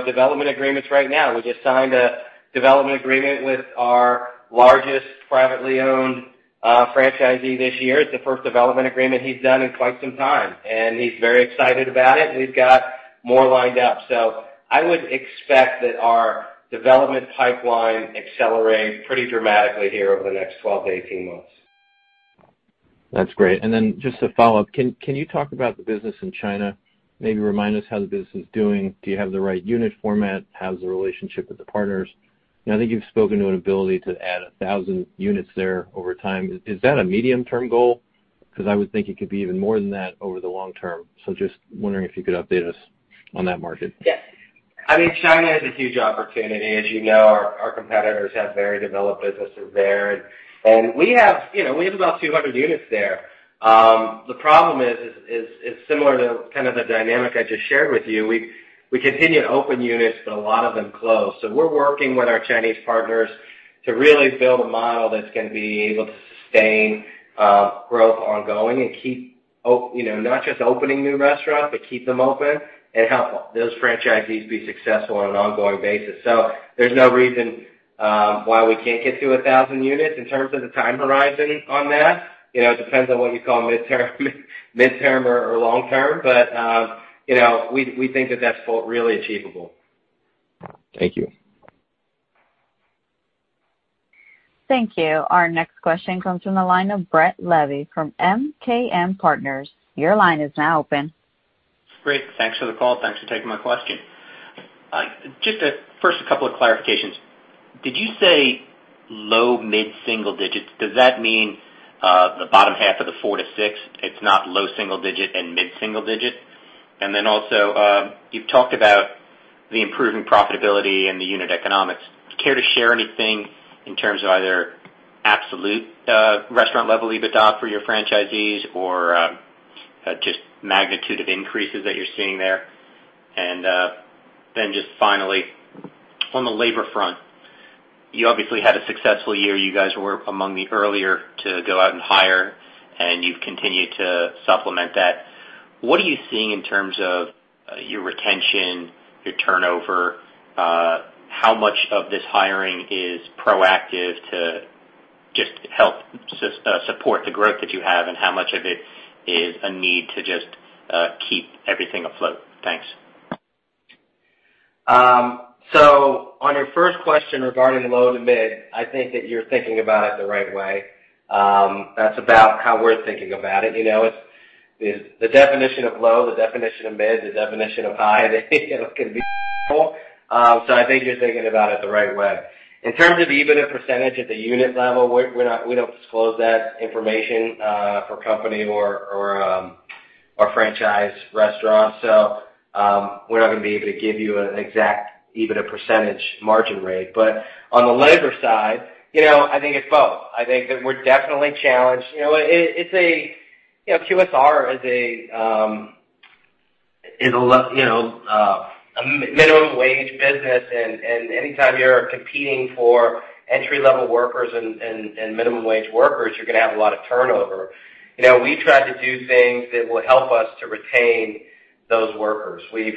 development agreements right now. We just signed a development agreement with our largest privately owned franchisee this year. It's the first development agreement he's done in quite some time, and he's very excited about it, and we've got more lined up. I would expect that our development pipeline accelerates pretty dramatically here over the next 12-18 months. That's great. Just to follow up, can you talk about the business in China? Maybe remind us how the business is doing. Do you have the right unit format? How's the relationship with the partners? I think you've spoken to an ability to add 1,000 units there over time. Is that a medium-term goal? Because I would think it could be even more than that over the long term. Just wondering if you could update us on that market. Yes. China is a huge opportunity. As you know, our competitors have very developed businesses there. We have about 200 units there. The problem is similar to the dynamic I just shared with you. We continue to open units, but a lot of them close. We're working with our Chinese partners to really build a model that's going to be able to sustain growth ongoing and not just opening new restaurants, but keep them open and help those franchisees be successful on an ongoing basis. There's no reason why we can't get to 1,000 units. In terms of the time horizon on that, it depends on what you call midterm or long-term. We think that's really achievable. Thank you. Thank you. Our next question comes from the line of Brett Levy from MKM Partners. Your line is now open. Great. Thanks for the call. Thanks for taking my question. Just first, a couple of clarifications. Did you say low mid-single digits? Does that mean the bottom half of the 4-6? It's not low single digit and mid-single digit. Then also, you've talked about the improving profitability and the unit economics. Care to share anything in terms of either absolute restaurant-level EBITDA for your franchisees or just magnitude of increases that you're seeing there? Then just finally, on the labor front, you obviously had a successful year. You guys were among the earlier to go out and hire, and you've continued to supplement that. What are you seeing in terms of your retention, your turnover? How much of this hiring is proactive to just help support the growth that you have, and how much of it is a need to just keep everything afloat? Thanks. On your first question regarding low to mid, I think that you're thinking about it the right way. That's about how we're thinking about it. The definition of low, the definition of mid, the definition of high can be. I think you're thinking about it the right way. In terms of EBITDA percentage at the unit level, we don't disclose that information for company or franchise restaurants. We're not going to be able to give you an exact EBITDA percentage margin rate. On the labor side, I think it's both. I think that we're definitely challenged. QSR is a minimum wage business, and any time you're competing for entry-level workers and minimum wage workers, you're going to have a lot of turnover. We try to do things that will help us to retain those workers. We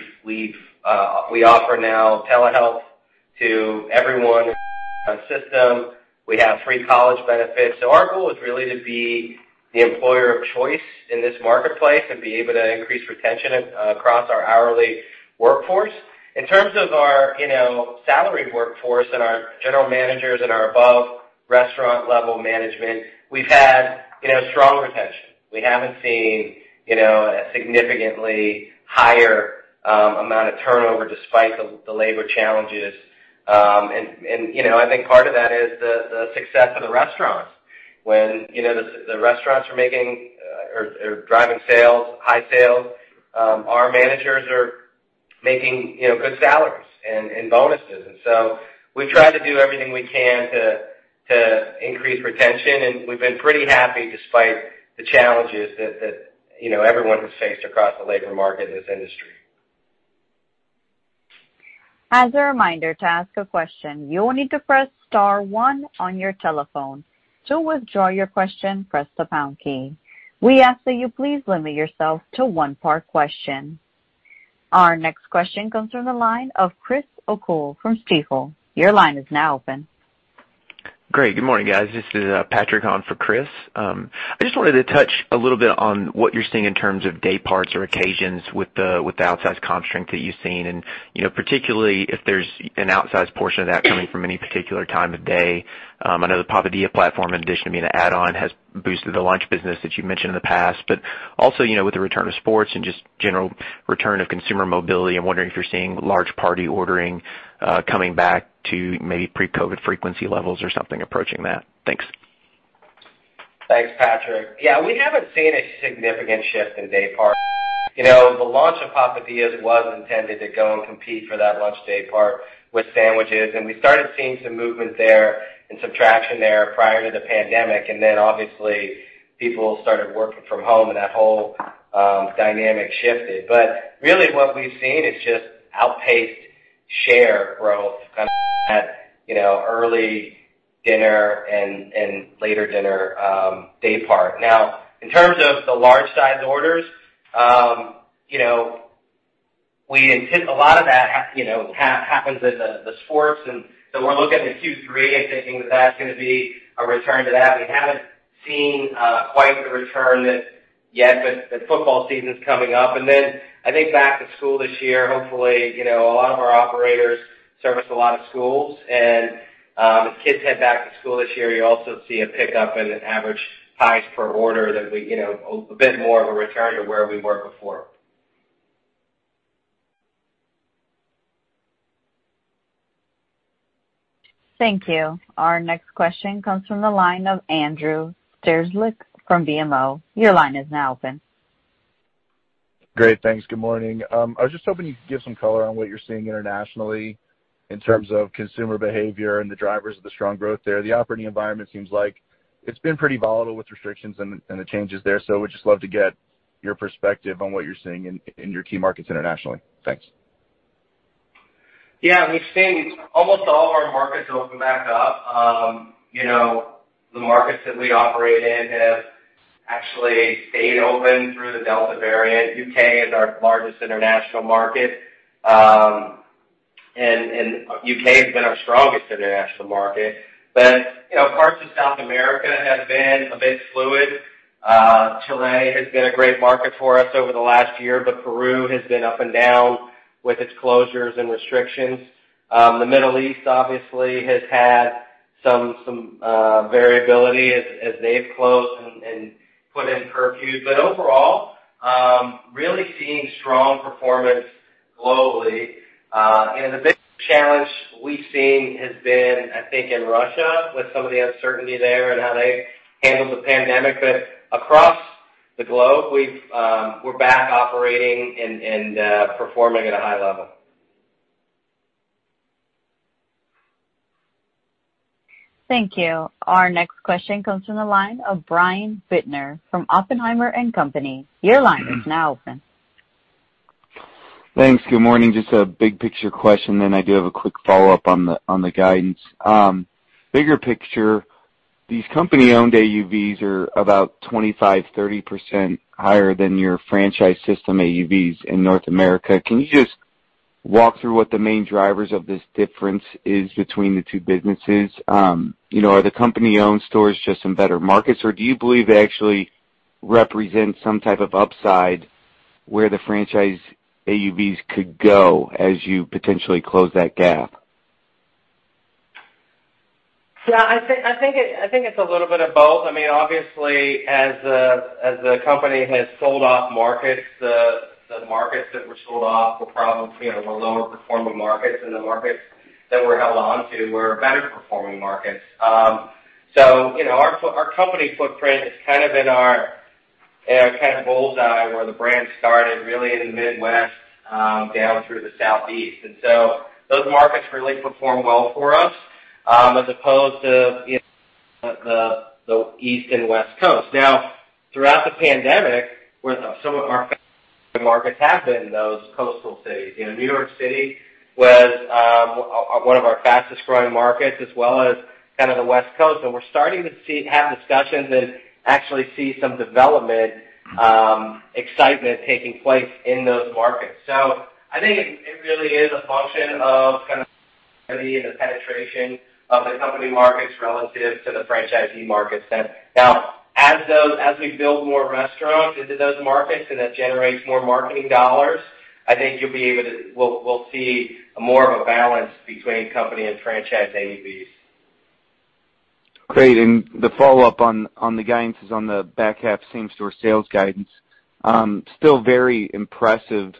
offer now telehealth to everyone system. We have free college benefits. Our goal is really to be the employer of choice in this marketplace and be able to increase retention across our hourly workforce. In terms of our salaried workforce and our general managers and our above restaurant level management, we've had strong retention. We haven't seen a significantly higher amount of turnover despite the labor challenges. I think part of that is the success of the restaurants. When the restaurants are driving high sales, our managers are making good salaries and bonuses. We've tried to do everything we can to increase retention, and we've been pretty happy despite the challenges that everyone has faced across the labor market in this industry. As a reminder, to ask a question, you will need to press star one on your telephone. To withdraw your question, press the pound key. We ask that you please limit yourself to one per question. Our next question comes from the line of Chris O'Cull from Stifel. Your line is now open. Great. Good morning, guys. This is Patrick on for Chris. I just wanted to touch a little bit on what you're seeing in terms of day parts or occasions with the outsized comp strength that you've seen, and particularly if there's an outsized portion of that coming from any particular time of day. I know the Papadia platform, in addition to being an add-on, has boosted the lunch business that you mentioned in the past. Also with the return of sports and just general return of consumer mobility, I'm wondering if you're seeing large party ordering coming back to maybe pre-COVID frequency levels or something approaching that. Thanks. Thanks, Patrick. Yeah, we haven't seen a significant shift in day part. The launch of Papadias was intended to go and compete for that lunch day part with sandwiches, and we started seeing some movement there and some traction there prior to the pandemic. Then obviously people started working from home, and that whole dynamic shifted. Really what we've seen is just outpaced share growth early dinner and later dinner day part. Now, in terms of the large size orders, a lot of that happens at the sports. So we're looking to Q3 and thinking that that's going to be a return to that. We haven't seen quite the return yet, but football season's coming up. I think back to school this year, hopefully a lot of our operators service a lot of schools, and as kids head back to school this year, you also see a pickup in average price per order that a bit more of a return to where we were before. Thank you. Our next question comes from the line of Andrew Strelzik from BMO. Your line is now open. Great. Thanks. Good morning. I was just hoping you could give some color on what you're seeing internationally in terms of consumer behavior and the drivers of the strong growth there. The operating environment seems like it's been pretty volatile with restrictions and the changes there, so would just love to get your perspective on what you're seeing in your key markets internationally. Thanks. Yeah, we've seen almost all of our markets open back up. The markets that we operate in have actually stayed open through the Delta variant. U.K. is our largest international market, and U.K. has been our strongest international market. Parts of South America have been a bit fluid. Chile has been a great market for us over the last year, but Peru has been up and down with its closures and restrictions. The Middle East obviously has had some variability as they've closed and put in curfews. Overall, really seeing strong performance globally. The biggest challenge we've seen has been, I think, in Russia with some of the uncertainty there and how they handled the pandemic. Across the globe, we're back operating and performing at a high level. Thank you. Our next question comes from the line of Brian Bittner from Oppenheimer & Company. Your line is now open. Thanks. Good morning. Just a big picture question, then I do have a quick follow-up on the guidance. Bigger picture, these company-owned AUVs are about 25%, 30% higher than your franchise system AUVs in North America. Can you just walk through what the main drivers of this difference is between the two businesses? Are the company-owned stores just in better markets, or do you believe they actually represent some type of upside where the franchise AUVs could go as you potentially close that gap? Yeah, I think it's a little bit of both. Obviously, as the company has sold off markets, the markets that were sold off were lower performing markets. The markets that were held onto were better performing markets. Our company footprint is in our kind of bullseye where the brand started, really in the Midwest, down through the Southeast. Those markets really perform well for us, as opposed to the East and West Coast. Now, throughout the pandemic, some of our markets have been those coastal cities. New York City was one of our fastest-growing markets, as well as the West Coast, and we're starting to have discussions and actually see some development excitement taking place in those markets. I think it really is a function of the penetration of the company markets relative to the franchisee markets. Now, as we build more restaurants into those markets and that generates more marketing dollars, I think we'll see more of a balance between company and franchise AUVs. Great. The follow-up on the guidance is on the back half same-store sales guidance. Still very impressive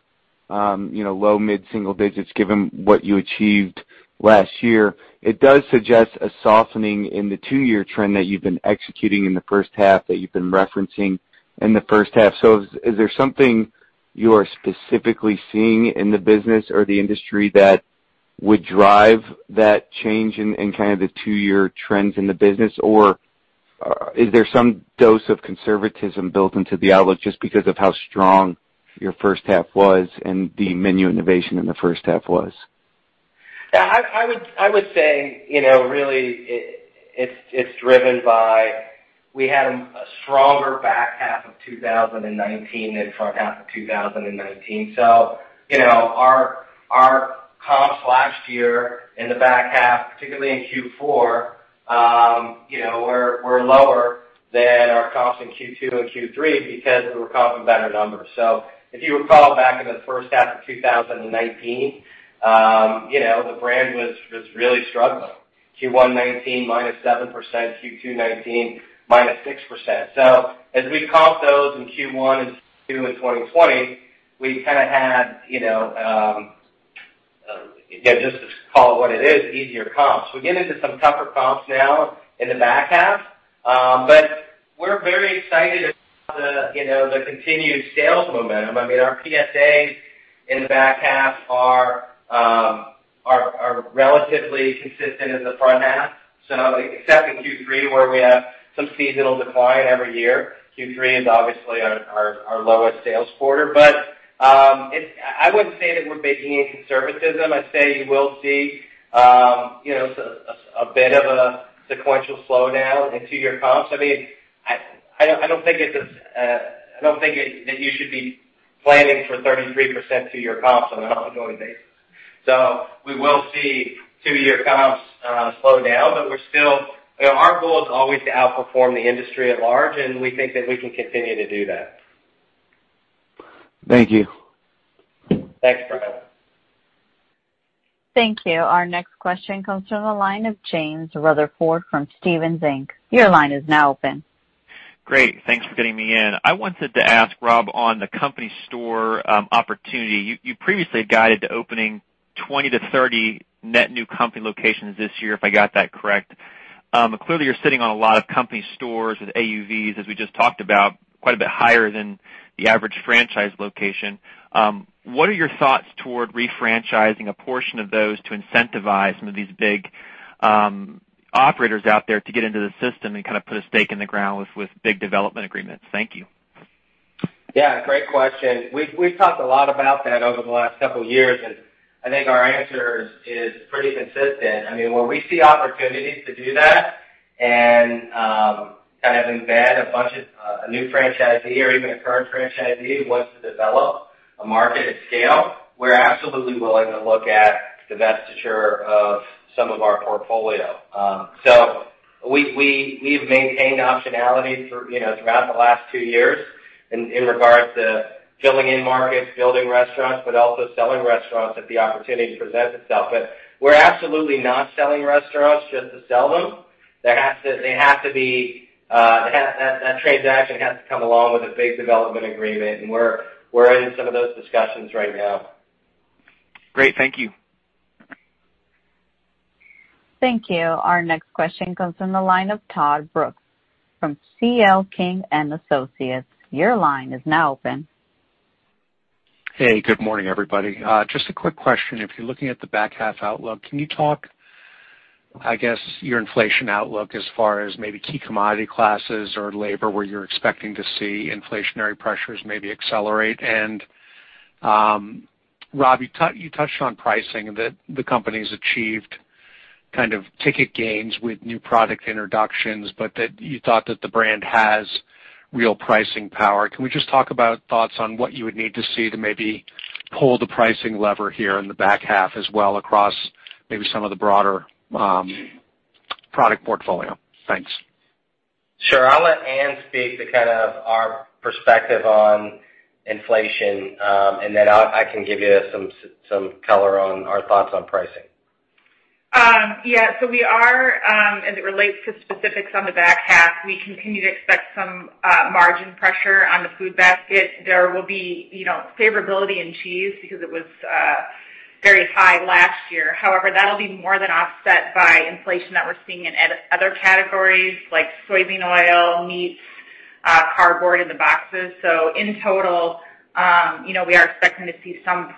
low-mid single digits given what you achieved last year. It does suggest a softening in the two-year trend that you've been executing in the first half, that you've been referencing in the first half. Is there something you are specifically seeing in the business or the industry that would drive that change in kind of the two-year trends in the business, or is there some dose of conservatism built into the outlook just because of how strong your first half was and the menu innovation in the first half was? Yeah, I would say really it's driven by, we had a stronger back half of 2019 than front half of 2019. Our comps last year in the back half, particularly in Q4, were lower than our comps in Q2 and Q3 because we were comping better numbers. If you recall back in the first half of 2019, the brand was really struggling. Q1 2019, -7%, Q2 2019, -6%. As we comp those in Q1 and Q2 in 2020, we kind of had, just to call it what it is, easier comps. We get into some tougher comps now in the back half. We're very excited about the continued sales momentum. Our PSAs in the back half are relatively consistent in the front half, except in Q3 where we have some seasonal decline every year. Q3 is obviously our lowest sales quarter. I wouldn't say that we're baking in conservatism. I'd say you will see a bit of a sequential slowdown in two-year comps. I don't think that you should be planning for 33% two-year comps on an ongoing basis. We will see two-year comps slow down, but our goal is always to outperform the industry at large, and we think that we can continue to do that. Thank you. Thanks. Thank you. Our next question comes from the line of James Rutherford from Stephens Inc. Your line is now open. Great. Thanks for getting me in. I wanted to ask Rob on the company store opportunity. You previously guided to opening 20-30 net new company locations this year, if I got that correct. Clearly, you're sitting on a lot of company stores with AUVs, as we just talked about, quite a bit higher than the average franchise location. What are your thoughts toward re-franchising a portion of those to incentivize some of these big operators out there to get into the system and put a stake in the ground with big development agreements? Thank you. Yeah, great question. We've talked a lot about that over the last couple of years, and I think our answer is pretty consistent. When we see opportunities to do that and embed a bunch of a new franchisee or even a current franchisee who wants to develop a market at scale, we're absolutely willing to look at divestiture of some of our portfolio. We've maintained optionality throughout the last two years in regards to filling in markets, building restaurants, but also selling restaurants if the opportunity presents itself. We're absolutely not selling restaurants just to sell them. That transaction has to come along with a big development agreement, and we're in some of those discussions right now. Great. Thank you. Thank you. Our next question comes from the line of Todd Brooks from C.L. King & Associates. Your line is now open. Hey, good morning, everybody. Just a quick question. If you're looking at the back half outlook, can you talk, I guess, your inflation outlook as far as maybe key commodity classes or labor where you're expecting to see inflationary pressures maybe accelerate? Rob, you touched on pricing, that the company's achieved ticket gains with new product introductions, but that you thought that the brand has real pricing power. Can we just talk about thoughts on what you would need to see to maybe pull the pricing lever here in the back half as well across maybe some of the broader product portfolio? Thanks. Sure. I'll let Ann speak to our perspective on inflation, and then I can give you some color on our thoughts on pricing. Yeah. As it relates to specifics on the back half, we continue to expect some margin pressure on the food basket. There will be favorability in cheese because it was very high last year. However, that'll be more than offset by inflation that we're seeing in other categories like soybean oil, meats, cardboard, and the boxes. In total, we are expecting to see some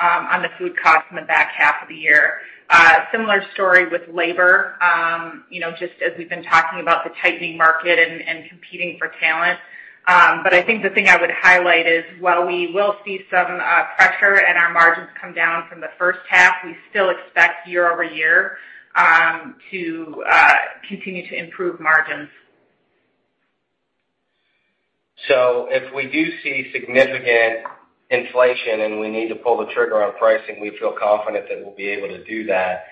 on the food cost in the back half of the year. Similar story with labor, just as we've been talking about the tightening market and competing for talent. I think the thing I would highlight is while we will see some pressure and our margins come down from the first half, we still expect year-over-year to continue to improve margins. If we do see significant inflation and we need to pull the trigger on pricing, we feel confident that we'll be able to do that.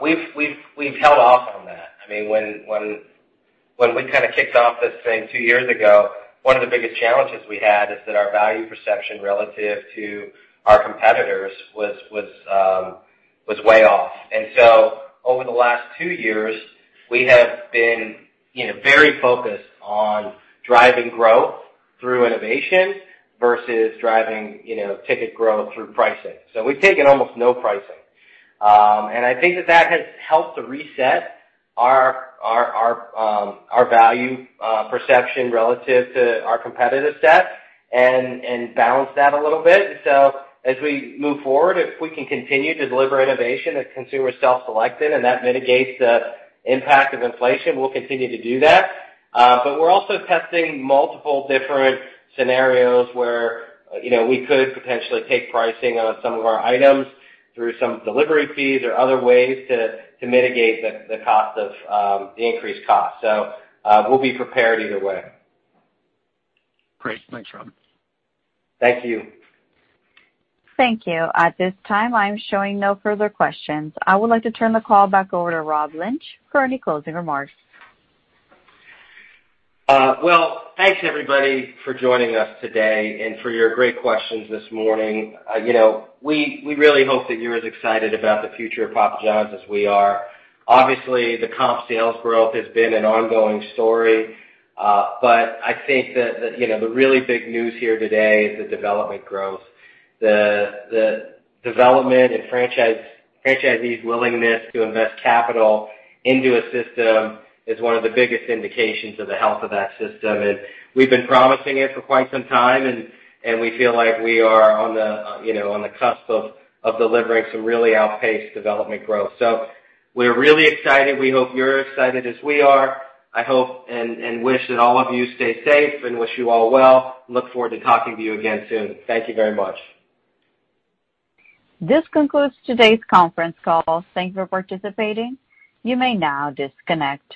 We've held off on that. When we kicked off this thing two years ago, one of the biggest challenges we had is that our value perception relative to our competitors was way off. Over the last two years, we have been very focused on driving growth through innovation versus driving ticket growth through pricing. We've taken almost no pricing. I think that that has helped to reset our value perception relative to our competitive set and balance that a little bit. As we move forward, if we can continue to deliver innovation that consumers self-selected and that mitigates the impact of inflation, we'll continue to do that. We're also testing multiple different scenarios where we could potentially take pricing on some of our items through some delivery fees or other ways to mitigate the increased cost. We'll be prepared either way. Great. Thanks, Rob. Thank you. Thank you. At this time, I'm showing no further questions. I would like to turn the call back over to Rob Lynch for any closing remarks. Well, thanks everybody for joining us today and for your great questions this morning. We really hope that you're as excited about the future of Papa John's as we are. Obviously, the comp sales growth has been an ongoing story, but I think that the really big news here today is the development growth. The development and franchisees' willingness to invest capital into a system is one of the biggest indications of the health of that system. We've been promising it for quite some time, and we feel like we are on the cusp of delivering some really outpaced development growth. We're really excited. We hope you're as excited as we are. I hope and wish that all of you stay safe and wish you all well. Look forward to talking to you again soon. Thank you very much. This concludes today's conference call. Thanks for participating. You may now disconnect.